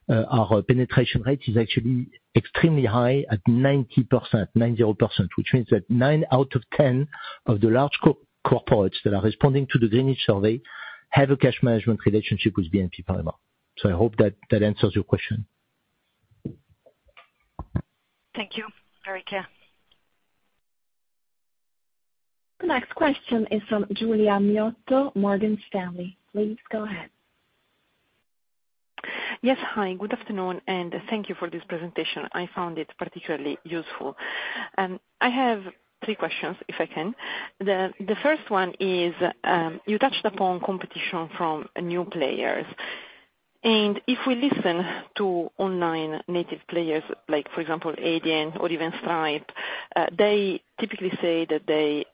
our penetration rate is actually extremely high at 90%, 90%, which means that nine out of 10 of the large corporates that are responding to the Greenwich Survey have a cash management relationship with BNP Paribas. I hope that answers your question. Thank you. Very clear. The next question is from Giulia Miotto, Morgan Stanley. Please go ahead. Yes, hi. Good afternoon, and thank you for this presentation. I found it particularly useful. I have three questions, if I can. The first one is you touched upon competition from new players. If we listen to online native players, like for example, Adyen or even Stripe, they typically say that they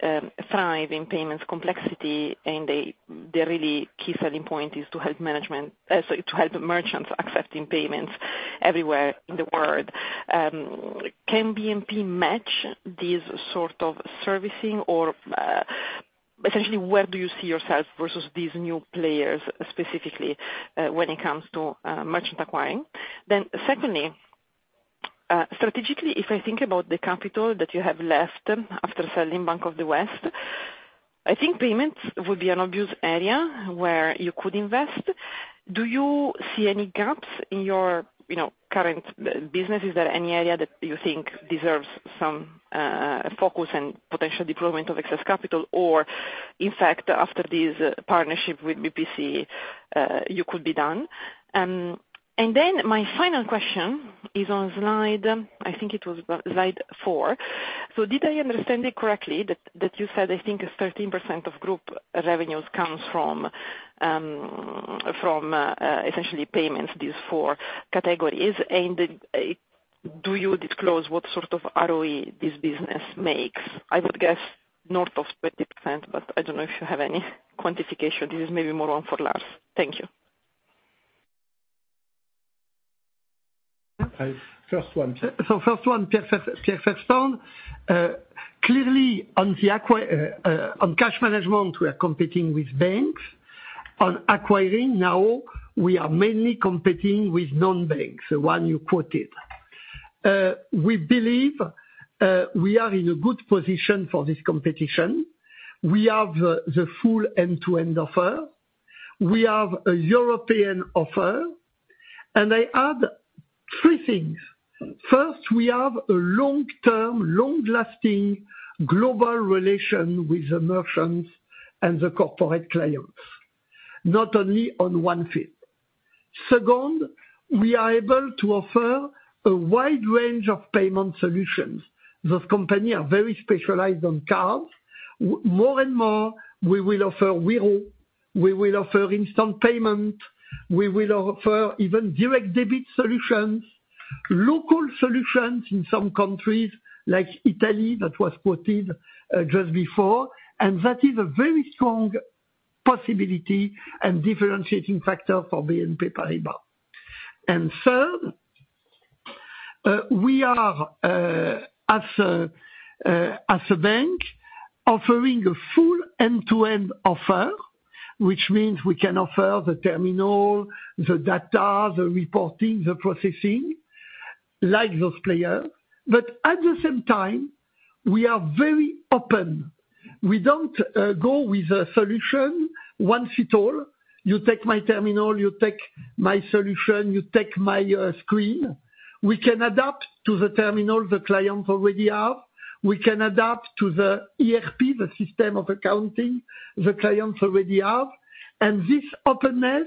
thrive in payments complexity, and their really key selling point is to help merchants accept payments everywhere in the world. Can BNP match this sort of servicing, or essentially, where do you see yourself versus these new players specifically when it comes to merchant acquiring? Then secondly, strategically, if I think about the capital that you have left after selling Bank of the West, I think payments would be an obvious area where you could invest. Do you see any gaps in your current business? Is there any area that you think deserves some focus and potential deployment of excess capital, or in fact, after this partnership with BPCE, you could be done? And then my final question is on slide I think it was slide 4. So did I understand it correctly that you said, I think, 13% of group revenues comes from essentially payments, these four categories? And do you disclose what sort of ROE this business makes? I would guess north of 20%, but I don't know if you have any quantification. This is maybe more one for Lars. Thank you. First one, Pierre Fersztand. Clearly, on cash management, we are competing with banks. On acquiring, now, we are mainly competing with non-banks, the one you quoted. We believe we are in a good position for this competition. We have the full end-to-end offer. We have a European offer. And I add three things. First, we have a long-term, long-lasting global relation with the merchants and the corporate clients, not only on one field. Second, we are able to offer a wide range of payment solutions. Those companies are very specialized on cards. More and more, we will offer Wero. We will offer instant payment. We will offer even direct debit solutions, local solutions in some countries, like Italy that was quoted just before. And that is a very strong possibility and differentiating factor for BNP Paribas. Third, we are, as a bank, offering a full end-to-end offer, which means we can offer the terminal, the data, the reporting, the processing like those players. But at the same time, we are very open. We don't go with a solution once at all. You take my terminal, you take my solution, you take my screen. We can adapt to the terminal the clients already have. We can adapt to the ERP, the system of accounting the clients already have. And this openness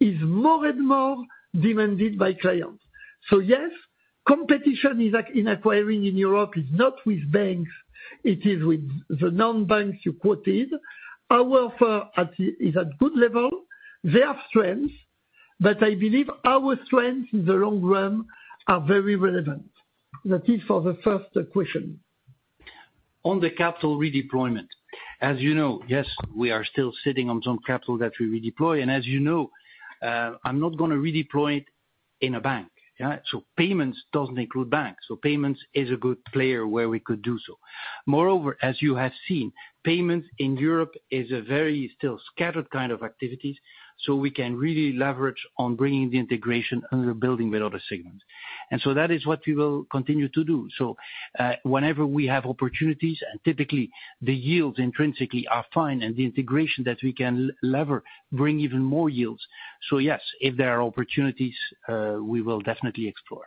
is more and more demanded by clients. So yes, competition in acquiring in Europe is not with banks. It is with the non-banks you quoted. Our offer is at good level. They have strengths, but I believe our strengths in the long run are very relevant. That is for the first question. On the capital redeployment, as you know, yes, we are still sitting on some capital that we redeploy. As you know, I'm not going to redeploy it in a bank. Payments doesn't include banks. Payments is a good player where we could do so. Moreover, as you have seen, payments in Europe is a very still scattered kind of activity. We can really leverage on bringing the integration and the building with other segments. That is what we will continue to do. Whenever we have opportunities, and typically, the yields intrinsically are fine, and the integration that we can leverage bring even more yields. Yes, if there are opportunities, we will definitely explore.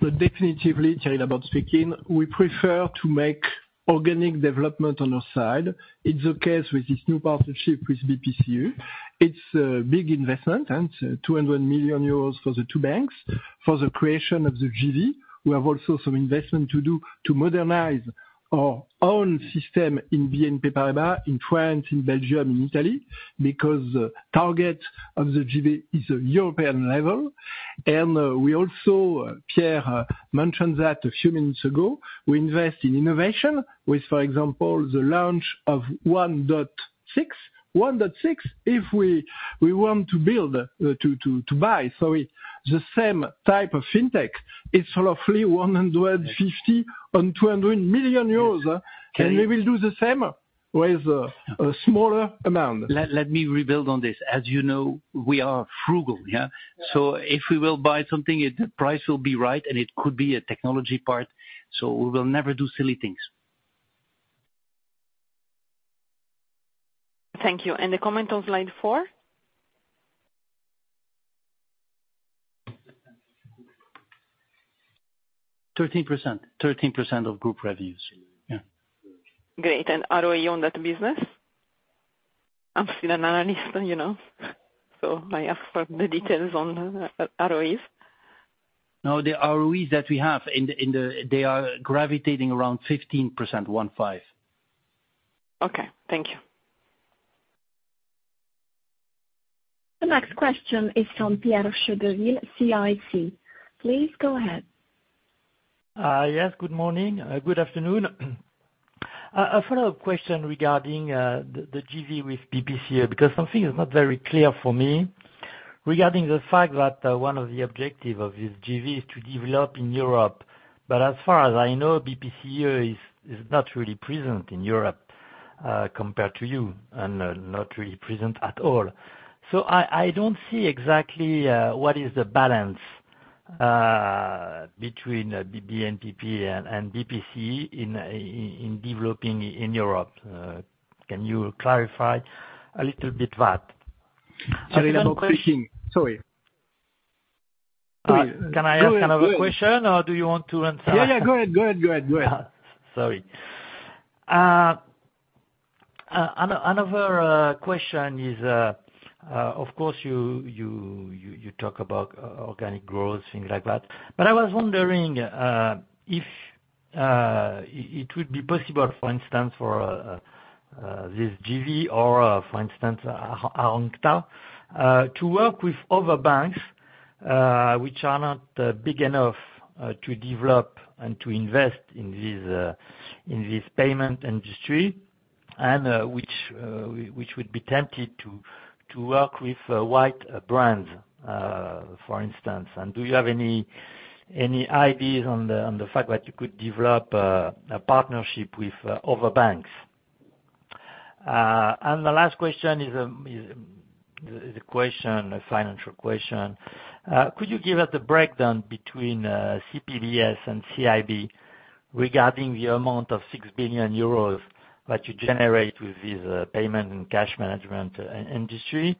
But definitely, Thierry Laborde speaking, we prefer to make organic development on our side. It's the case with this new partnership with BPCE. It's a big investment, right? 200 million euros for the two banks for the creation of the JV. We have also some investment to do to modernize our own system in BNP Paribas, in France, in Belgium, in Italy, because the target of the JV is a European level. And we also, Pierre mentioned that a few minutes ago, we invest in innovation with, for example, the launch of 1.6. 1.6, if we want to build, to buy, sorry, the same type of fintech, it's roughly 150 and 200 million euros. And we will do the same with a smaller amount. Let me build on this. As you know, we are frugal. So if we will buy something, the price will be right, and it could be a technology part. So we will never do silly things. Thank you. And the comment on slide 4? 13%. 13% of group revenues. Yeah. Great. And ROE on that business? I'm still an analyst, so I ask for the details on ROEs. No, the ROEs that we have, they are gravitating around 15%, 1.5. Okay. Thank you. The next question is from Pierre Chédeville, CIC. Please go ahead. Yes, good morning. Good afternoon. A follow-up question regarding the JV with BPCE, because something is not very clear for me regarding the fact that one of the objectives of this JV is to develop in Europe. But as far as I know, BPCE is not really present in Europe compared to you and not really present at all. So I don't see exactly what is the balance between BNPP and BPCE in developing in Europe. Can you clarify a little bit that? Sorry. Can I ask another question, or do you want to answer? Yeah, yeah. Go ahead. Go ahead. Go ahead. Go ahead. Sorry. Another question is, of course, you talk about organic growth, things like that. But I was wondering if it would be possible, for instance, for this JV or, for instance, Argenta to work with other banks which are not big enough to develop and to invest in this payment industry, and which would be tempted to work with white brands, for instance? And do you have any ideas on the fact that you could develop a partnership with other banks? And the last question is a financial question. Could you give us the breakdown between CPBS and CIB regarding the amount of 6 billion euros that you generate with this payment and cash management industry?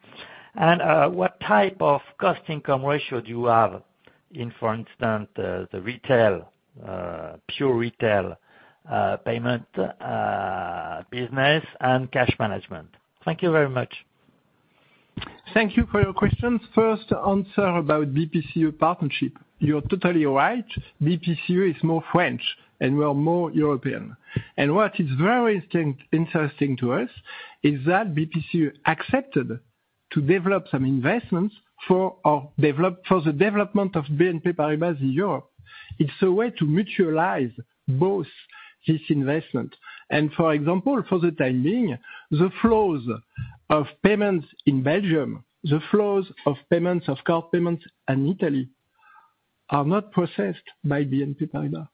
And what type of cost-income ratio do you have in, for instance, the retail, pure retail payment business and cash management? Thank you very much. Thank you for your question. First, answer about BPCE partnership. You're totally right. BPCE is more French and we're more European. What is very interesting to us is that BPCE accepted to develop some investments for the development of BNP Paribas in Europe. It's a way to mutualize both this investment. For example, for the time being, the flows of payments in Belgium, the flows of card payments in Italy are not processed by BNP Paribas.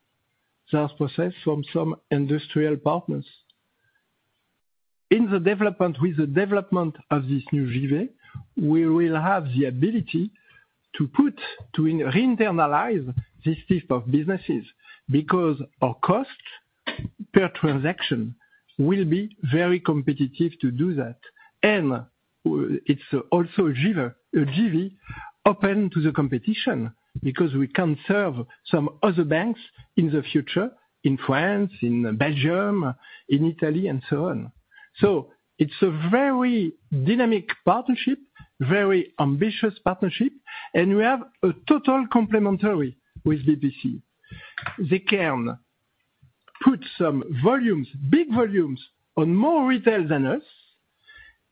They are processed from some industrial partners. In the development with the development of this new JV, we will have the ability to re-internalize this type of businesses because our cost per transaction will be very competitive to do that. It's also a JV open to the competition because we can serve some other banks in the future, in France, in Belgium, in Italy, and so on. So it's a very dynamic partnership, very ambitious partnership, and we have a totally complementary with BPCE. The CIB put some volumes, big volumes, on more retail than us,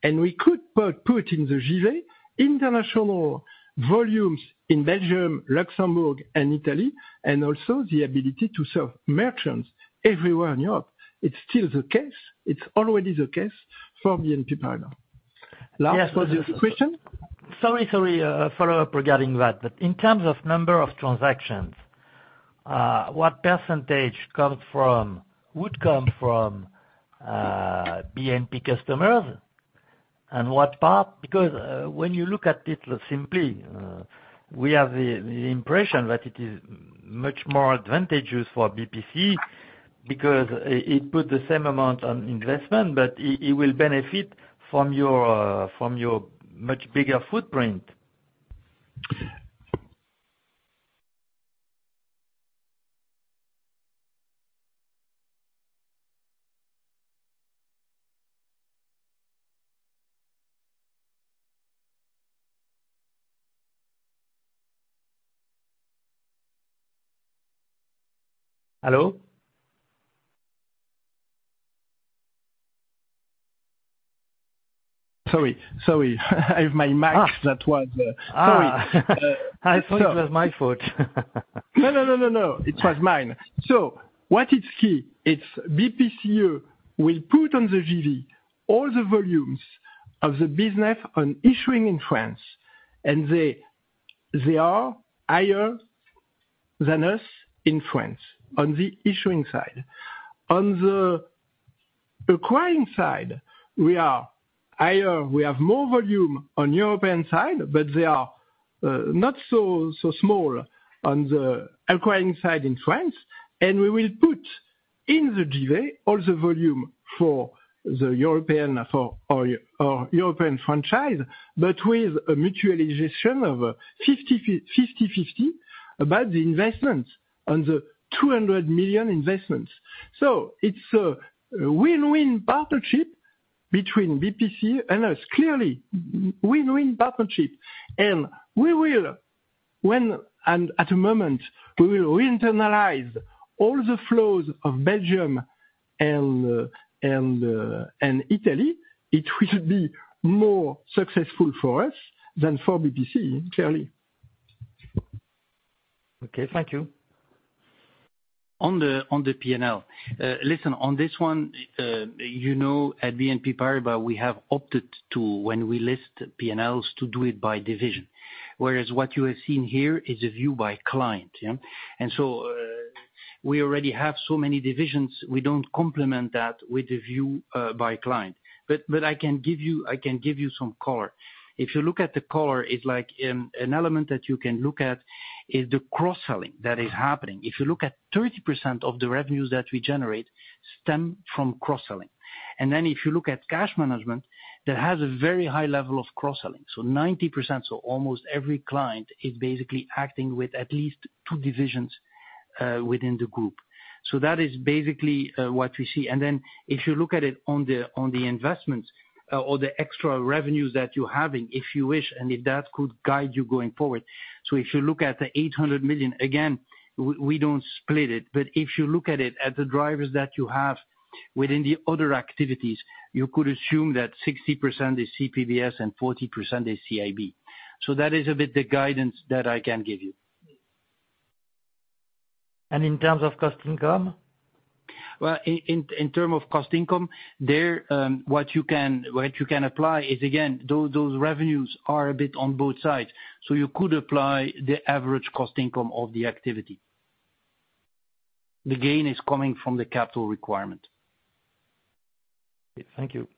and we could put in the CIB international volumes in Belgium, Luxembourg, and Italy, and also the ability to serve merchants everywhere in Europe. It's still the case. It's already the case for BNP Paribas. Last question. Sorry, sorry, follow-up regarding that. But in terms of number of transactions, what percentage would come from BNP customers and what part? Because when you look at it simply, we have the impression that it is much more advantageous for BPCE because it puts the same amount on investment, but it will benefit from your much bigger footprint. Hello? Sorry. Sorry. I have my mic that was sorry. I thought it was my fault. No, no, no, no, no. It was mine. So what is key is BPCE will put on the JV all the volumes of the business on issuing in France, and they are higher than us in France on the issuing side. On the acquiring side, we are higher. We have more volume on the European side, but they are not so small on the acquiring side in France. And we will put in the JV all the volume for the European franchise, but with a mutual easier share of 50/50 about the investments on the 200 million investments. So it's a win-win partnership between BPCE and us. Clearly, win-win partnership. And we will, at the moment, we will re-internalize all the flows of Belgium and Italy. It will be more successful for us than for BPCE, clearly. Okay. Thank you. On the P&L, listen, on this one, you know at BNP Paribas, we have opted to, when we list P&Ls, to do it by division. Whereas what you have seen here is a view by client. And so we already have so many divisions. We don't complement that with a view by client. But I can give you some color. If you look at the color, it's like an element that you can look at is the cross-selling that is happening. If you look at 30% of the revenues that we generate stem from cross-selling. And then if you look at cash management, that has a very high level of cross-selling. So 90%, so almost every client is basically acting with at least two divisions within the group. So that is basically what we see. And then if you look at it on the investments or the extra revenues that you're having, if you wish, and if that could guide you going forward. So if you look at the 800 million, again, we don't split it. But if you look at it at the drivers that you have within the other activities, you could assume that 60% is CPBS and 40% is CIB. So that is a bit the guidance that I can give you. And in terms of cost-income? Well, in terms of cost-income, what you can apply is, again, those revenues are a bit on both sides. So you could apply the average cost-income of the activity. The gain is coming from the capital requirement. Thank you.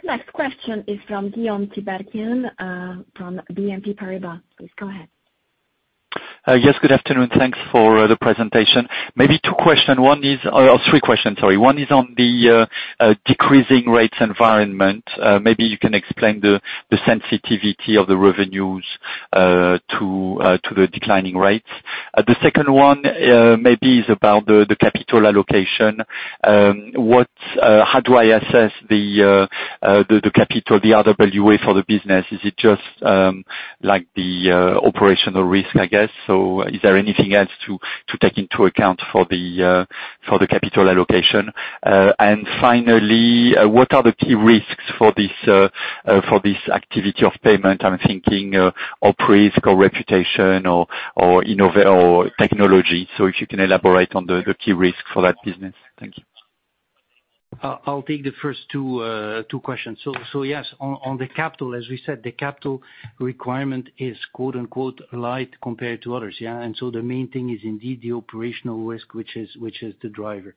The next question is from Guillaume Tiberghien from BNP Paribas. Please go ahead. Yes, good afternoon. Thanks for the presentation. Maybe two questions. One is or three questions, sorry. One is on the decreasing rates environment. Maybe you can explain the sensitivity of the revenues to the declining rates. The second one maybe is about the capital allocation. How do I assess the capital, the RWA for the business? Is it just like the operational risk, I guess? So is there anything else to take into account for the capital allocation? And finally, what are the key risks for this activity of payment? I'm thinking of risk or reputation or technology. So if you can elaborate on the key risk for that business. Thank you. I'll take the first two questions. So yes, on the capital, as we said, the capital requirement is "light" compared to others. And so the main thing is indeed the operational risk, which is the driver.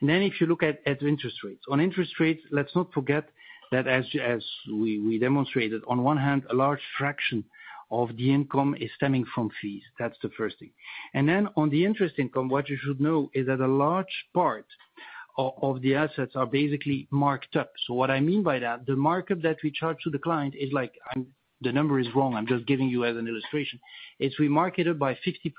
And then if you look at interest rates. On interest rates, let's not forget that, as we demonstrated, on one hand, a large fraction of the income is stemming from fees. That's the first thing. And then on the interest income, what you should know is that a large part of the assets are basically marked up. So what I mean by that, the markup that we charge to the client is like the number is wrong. I'm just giving you as an illustration. It's remarketed by 50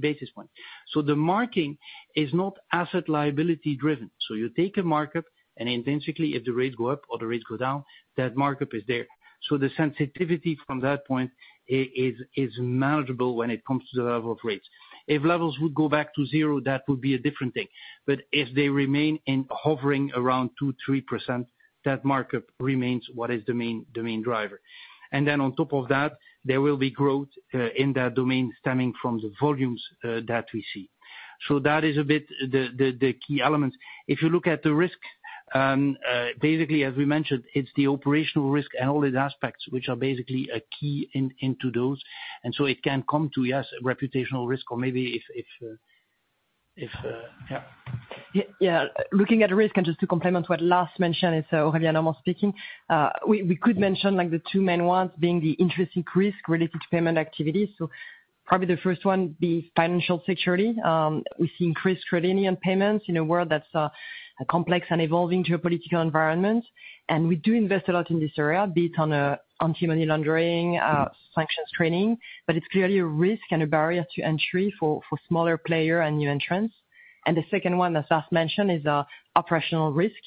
basis points. So the marking is not asset liability-driven. So you take a markup, and intrinsically, if the rates go up or the rates go down, that markup is there. So the sensitivity from that point is manageable when it comes to the level of rates. If levels would go back to zero, that would be a different thing. But if they remain in hovering around 2%-3%, that markup remains what is the main driver. And then on top of that, there will be growth in that domain stemming from the volumes that we see. So that is a bit the key elements. If you look at the risk, basically, as we mentioned, it's the operational risk and all the aspects which are basically a key into those. And so it can come to, yes, reputational risk or maybe if yeah. Yeah. Looking at risk, and just to complement what Lars mentioned, it's Aurélia Normand speaking. We could mention the two main ones being the interesting risk related to payment activities. So probably the first one would be financial security. We see increased credit union payments in a world that's a complex and evolving geopolitical environment. And we do invest a lot in this area, be it on anti-money laundering, sanctions training, but it's clearly a risk and a barrier to entry for smaller players and new entrants. And the second one that's last mentioned is operational risk.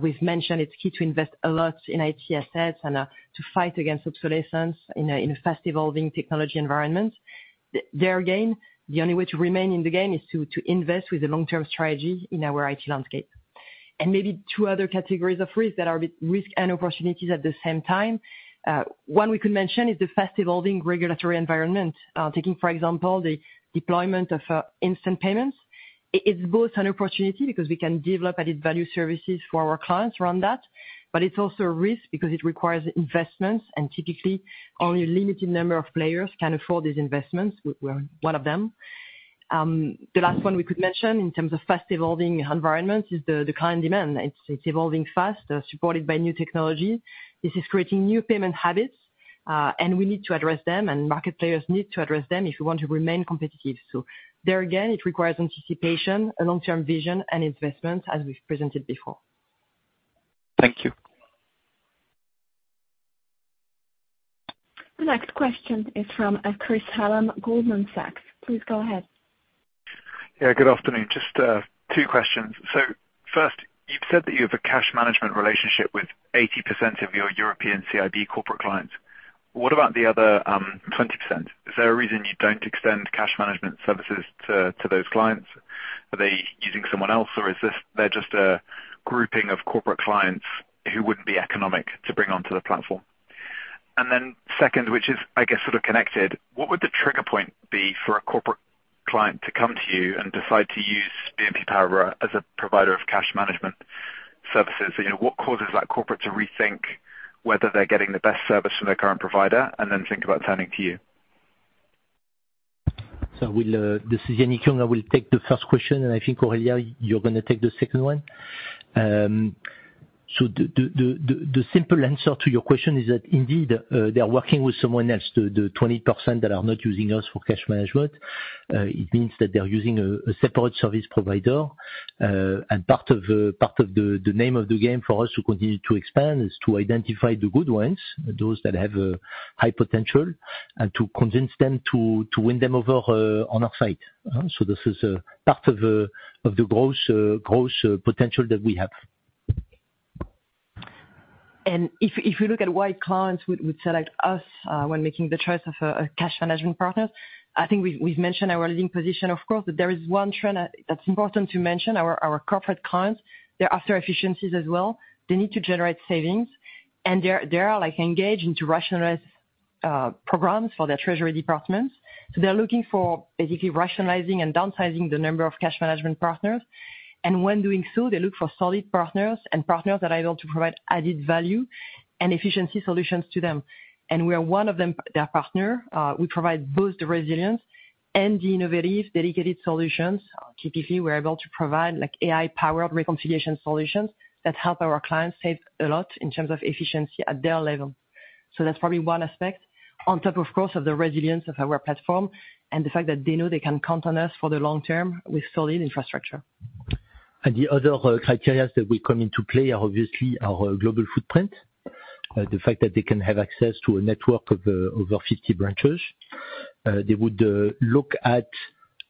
We've mentioned it's key to invest a lot in IT assets and to fight against obsolescence in a fast-evolving technology environment. There, again, the only way to remain in the game is to invest with a long-term strategy in our IT landscape. Maybe two other categories of risk that are risk and opportunities at the same time. One we could mention is the fast-evolving regulatory environment. Taking, for example, the deployment of instant payments. It's both an opportunity because we can develop added value services for our clients around that, but it's also a risk because it requires investments, and typically, only a limited number of players can afford these investments. We're one of them. The last one we could mention in terms of fast-evolving environments is the client demand. It's evolving fast, supported by new technology. This is creating new payment habits, and we need to address them, and market players need to address them if we want to remain competitive. So there, again, it requires anticipation, a long-term vision, and investments, as we've presented before. Thank you. The next question is from Chris Hallam, Goldman Sachs. Please go ahead. Yeah, good afternoon. Just two questions. So first, you've said that you have a cash management relationship with 80% of your European CIB corporate clients. What about the other 20%? Is there a reason you don't extend cash management services to those clients? Are they using someone else, or is this just a grouping of corporate clients who wouldn't be economic to bring onto the platform? And then second, which is, I guess, sort of connected, what would the trigger point be for a corporate client to come to you and decide to use BNP Paribas as a provider of cash management services? What causes that corporate to rethink whether they're getting the best service from their current provider and then think about turning to you? So, with the decision, I will take the first question, and I think, Aurélia, you're going to take the second one. So the simple answer to your question is that indeed they're working with someone else. The 20% that are not using us for cash management, it means that they're using a separate service provider. And part of the name of the game for us to continue to expand is to identify the good ones, those that have high potential, and to convince them to win them over on our side. So this is part of the gross potential that we have. If we look at why clients would select us when making the choice of a cash management partner, I think we've mentioned our leading position, of course, but there is one trend that's important to mention. Our corporate clients, they're after efficiencies as well. They need to generate savings, and they are engaged into rationalized programs for their treasury departments. So they're looking for basically rationalizing and downsizing the number of cash management partners. And when doing so, they look for solid partners and partners that are able to provide added value and efficiency solutions to them. And we are one of their partners. We provide both the resilience and the innovative dedicated solutions. Typically, we're able to provide AI-powered reconciliation solutions that help our clients save a lot in terms of efficiency at their level. So that's probably one aspect. On top, of course, of the resilience of our platform and the fact that they know they can count on us for the long term with solid infrastructure. The other criteria that will come into play are obviously our global footprint, the fact that they can have access to a network of over 50 branches. They would look at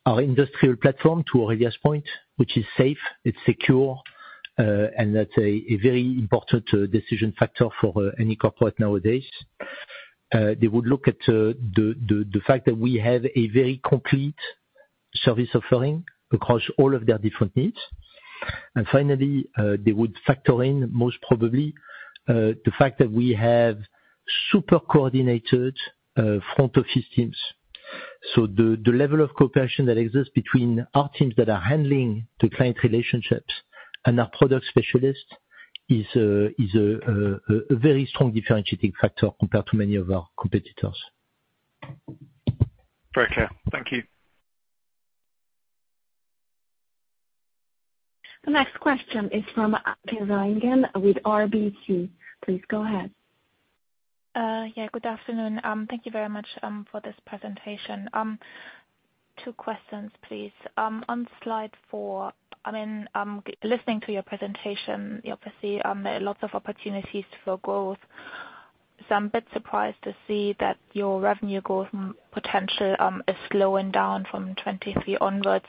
our industrial platform to Aurélia's point, which is safe. It's secure, and that's a very important decision factor for any corporate nowadays. They would look at the fact that we have a very complete service offering across all of their different needs. And finally, they would factor in, most probably, the fact that we have super-coordinated front-office teams. So the level of cooperation that exists between our teams that are handling the client relationships and our product specialists is a very strong differentiating factor compared to many of our competitors. Very clear. Thank you. The next question is from Anke Reingen with RBC. Please go ahead. Yeah, good afternoon. Thank you very much for this presentation. 2 questions, please. On slide 4, I mean, listening to your presentation, you obviously had lots of opportunities for growth. So I'm a bit surprised to see that your revenue growth potential is slowing down from 2023 onwards.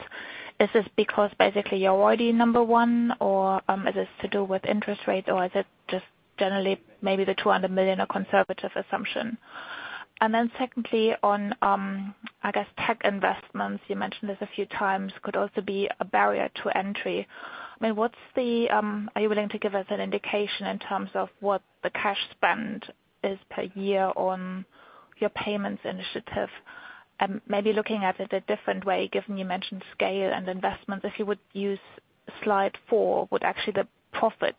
Is this because basically you're already number one, or is this to do with interest rates, or is it just generally maybe the $200 million conservative assumption? And then secondly, on, I guess, tech investments, you mentioned this a few times, could also be a barrier to entry. I mean, are you willing to give us an indication in terms of what the cash spend is per year on your payments initiative? Maybe looking at it a different way, given you mentioned scale and investments, if you would use slide 4, would actually the profit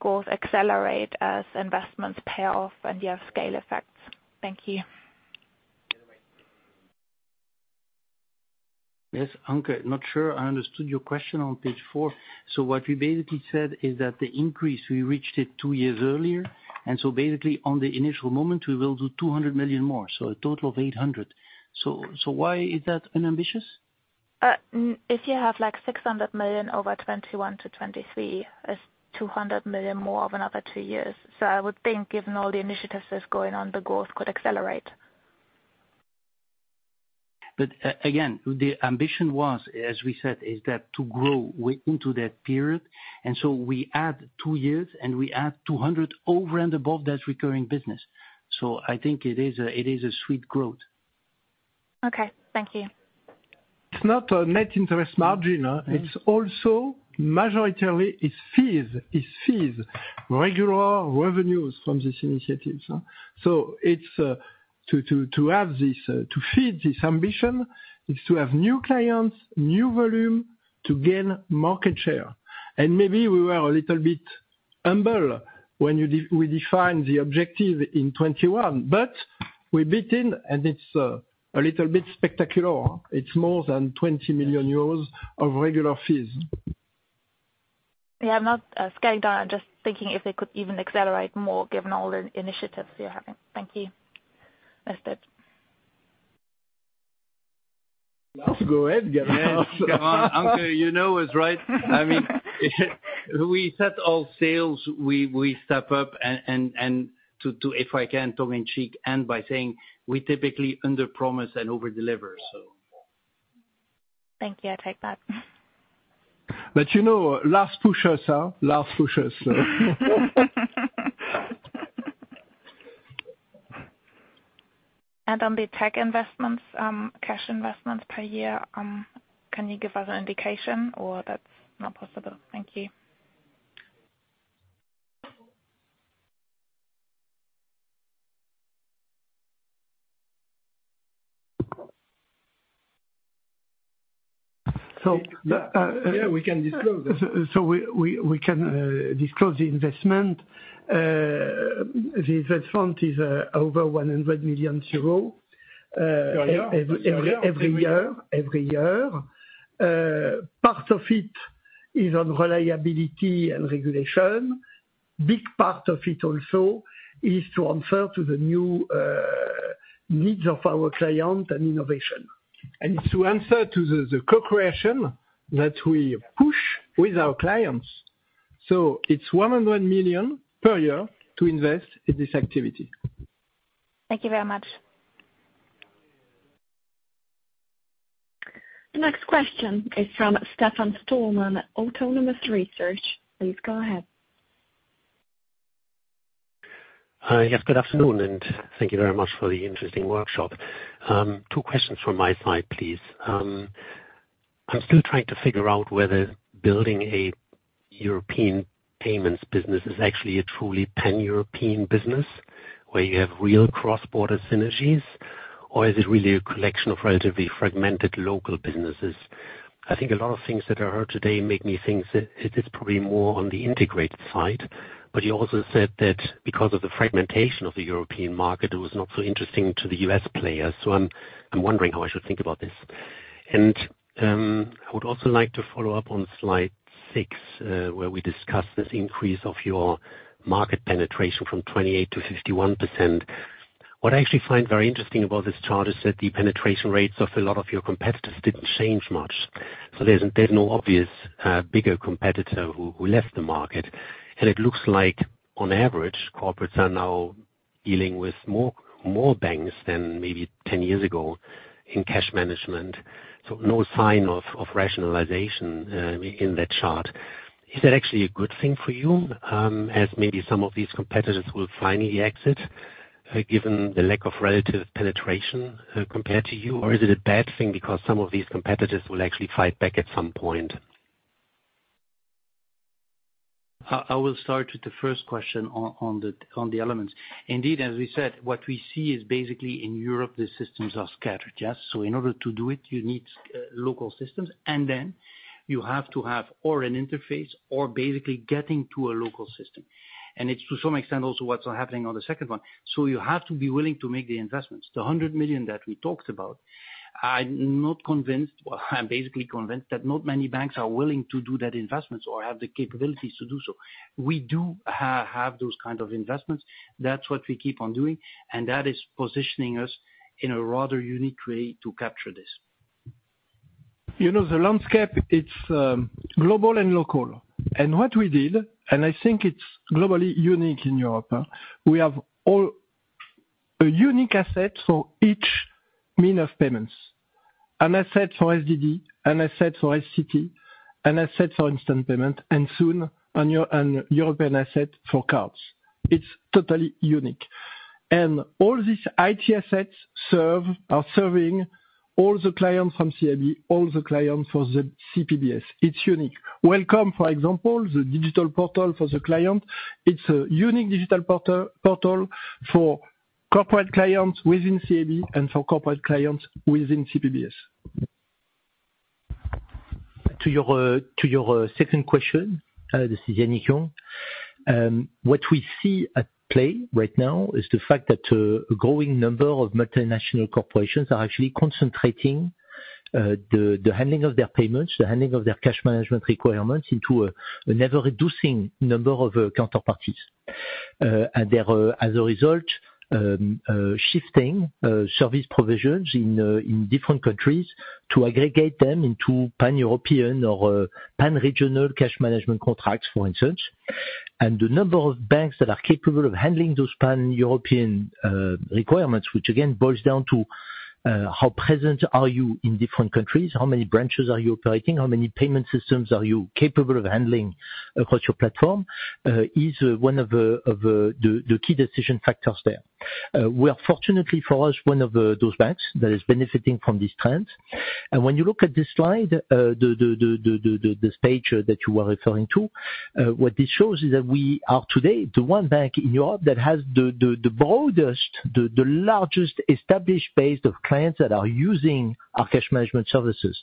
growth accelerate as investments pay off and you have scale effects? Thank you. Yes, Anke, not sure I understood your question on page four. So what we basically said is that the increase, we reached it two years earlier. And so basically, on the initial moment, we will do 200 million more, so a total of 800 million. So why is that unambitious? If you have like 600 million over 2021 to 2023, it's 200 million more over another 2 years. So I would think, given all the initiatives that's going on, the growth could accelerate. But again, the ambition was, as we said, is that to grow into that period. And so we add two years, and we add 200 over and above that recurring business. So I think it is a sweet growth. Okay. Thank you. It's not a net interest margin. It's also majority is fees, is fees, regular revenues from these initiatives. So to have this, to feed this ambition, is to have new clients, new volume to gain market share. And maybe we were a little bit humble when we defined the objective in 2021, but we beat it, and it's a little bit spectacular. It's more than 20 million euros of regular fees. Yeah, I'm not scaling down. I'm just thinking if they could even accelerate more, given all the initiatives you're having. Thank you. Last. Last. Go ahead, Guillaume. Anke, you know us, right? I mean, we set all sails, we step up, and if I can talk in cheek by saying we typically underpromise and overdeliver, so. Thank you. I take that. But last questions, last questions. On the tech investments, cash investments per year, can you give us an indication, or that's not possible? Thank you. So yeah, we can disclose it. So we can disclose the investment. The investment is over 100 million euros every year. Part of it is on reliability and regulation. Big part of it also is to answer to the new needs of our client and innovation. And it's to answer to the co-creation that we push with our clients. So it's 100 million per year to invest in this activity. Thank you very much. The next question is from Stefan Stalmann, Autonomous Research. Please go ahead. Yes, good afternoon, and thank you very much for the interesting workshop. 2 questions from my side, please. I'm still trying to figure out whether building a European payments business is actually a truly pan-European business where you have real cross-border synergies, or is it really a collection of relatively fragmented local businesses? I think a lot of things that I heard today make me think that it's probably more on the integrated side, but you also said that because of the fragmentation of the European market, it was not so interesting to the US players. So I'm wondering how I should think about this. I would also like to follow up on slide 6, where we discussed this increase of your market penetration from 28%-51%. What I actually find very interesting about this chart is that the penetration rates of a lot of your competitors didn't change much. So there's no obvious bigger competitor who left the market. And it looks like, on average, corporates are now dealing with more banks than maybe 10 years ago in cash management. So no sign of rationalization in that chart. Is that actually a good thing for you, as maybe some of these competitors will finally exit, given the lack of relative penetration compared to you, or is it a bad thing because some of these competitors will actually fight back at some point? I will start with the first question on the elements. Indeed, as we said, what we see is basically in Europe, the systems are scattered, yes? So in order to do it, you need local systems, and then you have to have or an interface or basically getting to a local system. And it's to some extent also what's happening on the second one. So you have to be willing to make the investments. The 100 million that we talked about, I'm not convinced, well, I'm basically convinced that not many banks are willing to do that investments or have the capabilities to do so. We do have those kinds of investments. That's what we keep on doing, and that is positioning us in a rather unique way to capture this. The landscape, it's global and local. And what we did, and I think it's globally unique in Europe, we have a unique asset for each means of payments: an asset for SDD, an asset for SCT, an asset for instant payment, and soon a European asset for cards. It's totally unique. And all these IT assets are serving all the clients from CIB, all the clients for the CPBS. It's unique. Welcome, for example, the digital portal for the client. It's a unique digital portal for corporate clients within CIB and for corporate clients within CPBS. To your second question, this is Yannick Jung. What we see at play right now is the fact that a growing number of multinational corporations are actually concentrating the handling of their payments, the handling of their cash management requirements into a never-reducing number of counterparties. And as a result, shifting service provisions in different countries to aggregate them into pan-European or pan-regional cash management contracts, for instance. And the number of banks that are capable of handling those pan-European requirements, which again boils down to how present are you in different countries, how many branches are you operating, how many payment systems are you capable of handling across your platform, is one of the key decision factors there. We're fortunately for us, one of those banks that is benefiting from this trend. And when you look at this slide, this page that you were referring to, what this shows is that we are today the one bank in Europe that has the broadest, the largest established base of clients that are using our cash management services.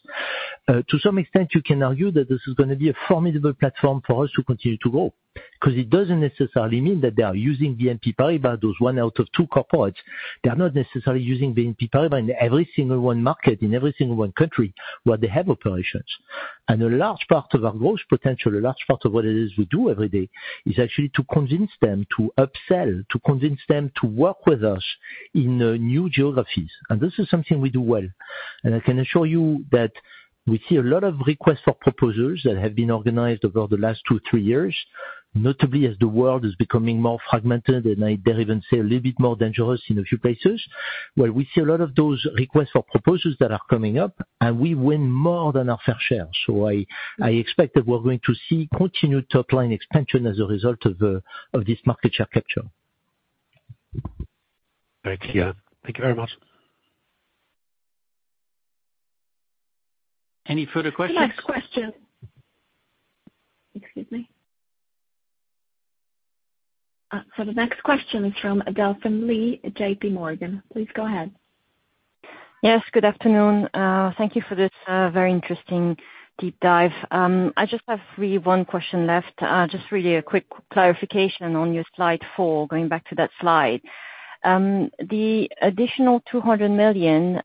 To some extent, you can argue that this is going to be a formidable platform for us to continue to grow because it doesn't necessarily mean that they are using BNP Paribas, those one out of two corporates. They're not necessarily using BNP Paribas in every single market, in every single country where they have operations. And a large part of our growth potential, a large part of what it is we do every day, is actually to convince them to upsell, to convince them to work with us in new geographies. And this is something we do well. I can assure you that we see a lot of requests for proposals that have been organized over the last 2, 3 years, notably as the world is becoming more fragmented and I dare even say a little bit more dangerous in a few places. Well, we see a lot of those requests for proposals that are coming up, and we win more than our fair share. So I expect that we're going to see continued top-line expansion as a result of this market share capture. Very clear. Thank you very much. Any further questions? Next question. Excuse me. The next question is from Delphine Lee, J.P. Morgan. Please go ahead. Yes, good afternoon. Thank you for this very interesting deep dive. I just have really one question left, just really a quick clarification on your slide four, going back to that slide. The additional 200 million,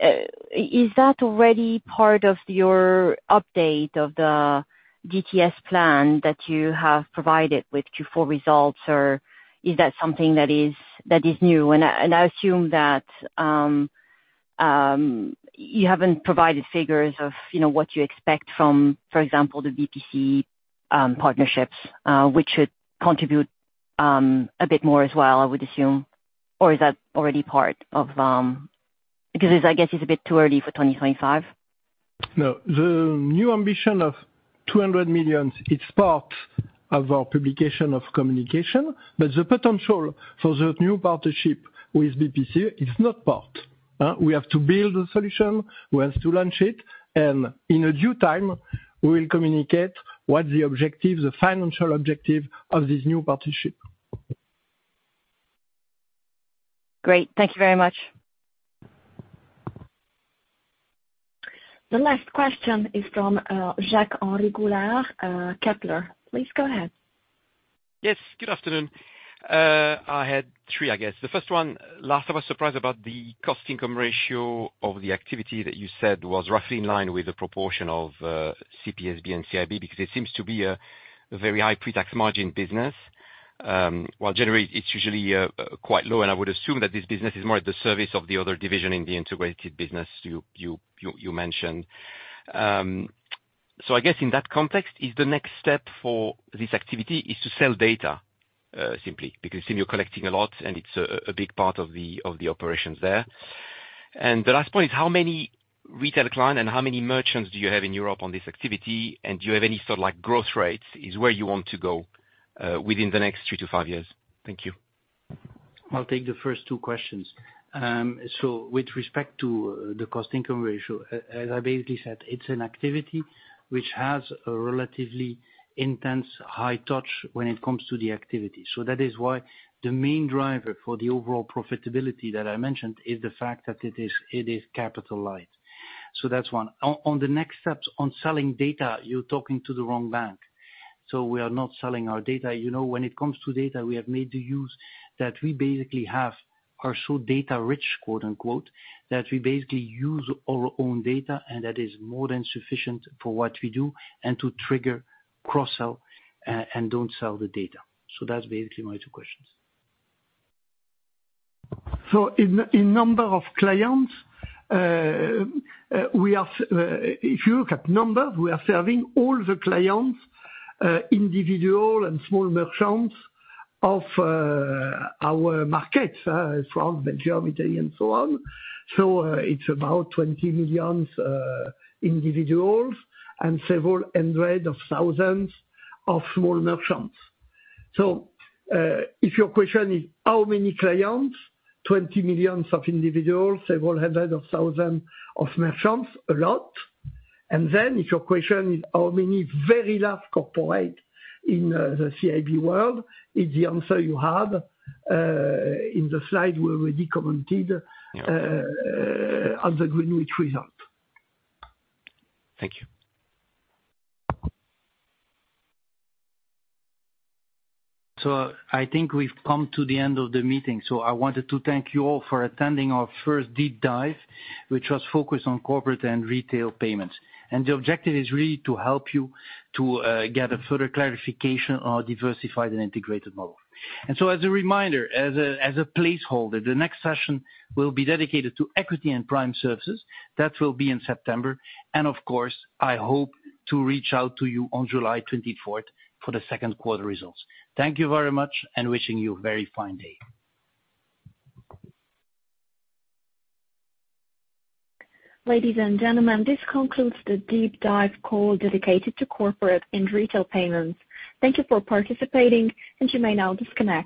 is that already part of your update of the GTS plan that you have provided with Q4 results, or is that something that is new? And I assume that you haven't provided figures of what you expect from, for example, the BPCE partnerships, which should contribute a bit more as well, I would assume. Or is that already part of because I guess it's a bit too early for 2025? No. The new ambition of 200 million, it's part of our public communication, but the potential for the new partnership with BPCE, it's not part. We have to build the solution, we have to launch it, and in due time, we will communicate what the objective, the financial objective of this new partnership. Great. Thank you very much. The last question is from Jacques-Henri Gaulard, Kepler. Please go ahead. Yes, good afternoon. I had three, I guess. The first one was a surprise about the cost-income ratio of the activity that you said was roughly in line with the proportion of CPBS and CIB because it seems to be a very high pre-tax margin business. While generally, it's usually quite low, and I would assume that this business is more at the service of the other division in the integrated business you mentioned. So I guess in that context, the next step for this activity is to sell data, simply, because you're collecting a lot, and it's a big part of the operations there. And the last point is how many retail clients and how many merchants do you have in Europe on this activity, and do you have any sort of growth rates? Is where you want to go within the next three to five years? Thank you. I'll take the first two questions. So with respect to the cost-income ratio, as I basically said, it's an activity which has a relatively intense high touch when it comes to the activity. So that is why the main driver for the overall profitability that I mentioned is the fact that it is capital light. So that's one. On the next steps on selling data, you're talking to the wrong bank. So we are not selling our data. When it comes to data, we have made the use that we basically are so data-rich, quote-unquote, that we basically use our own data, and that is more than sufficient for what we do and to trigger cross-sell and don't sell the data. So that's basically my two questions. So in number of clients, we are, if you look at numbers, we are serving all the clients, individual and small merchants of our markets, France, Belgium, Italy, and so on. So it's about 20 million individuals and several hundreds of thousands of small merchants. So if your question is how many clients, 20 million of individuals, several hundreds of thousands of merchants, a lot. And then if your question is how many very large corporates in the CIB world, it's the answer you have in the slide we already commented on the Greenwich result. Thank you. I think we've come to the end of the meeting. I wanted to thank you all for attending our first deep dive, which was focused on corporate and retail payments. The objective is really to help you to get a further clarification on our diversified and integrated model. As a reminder, as a placeholder, the next session will be dedicated to equity and prime services. That will be in September. Of course, I hope to reach out to you on July 24th for the second quarter results. Thank you very much, and wishing you a very fine day. Ladies and gentlemen, this concludes the deep dive call dedicated to corporate and retail payments. Thank you for participating, and you may now disconnect.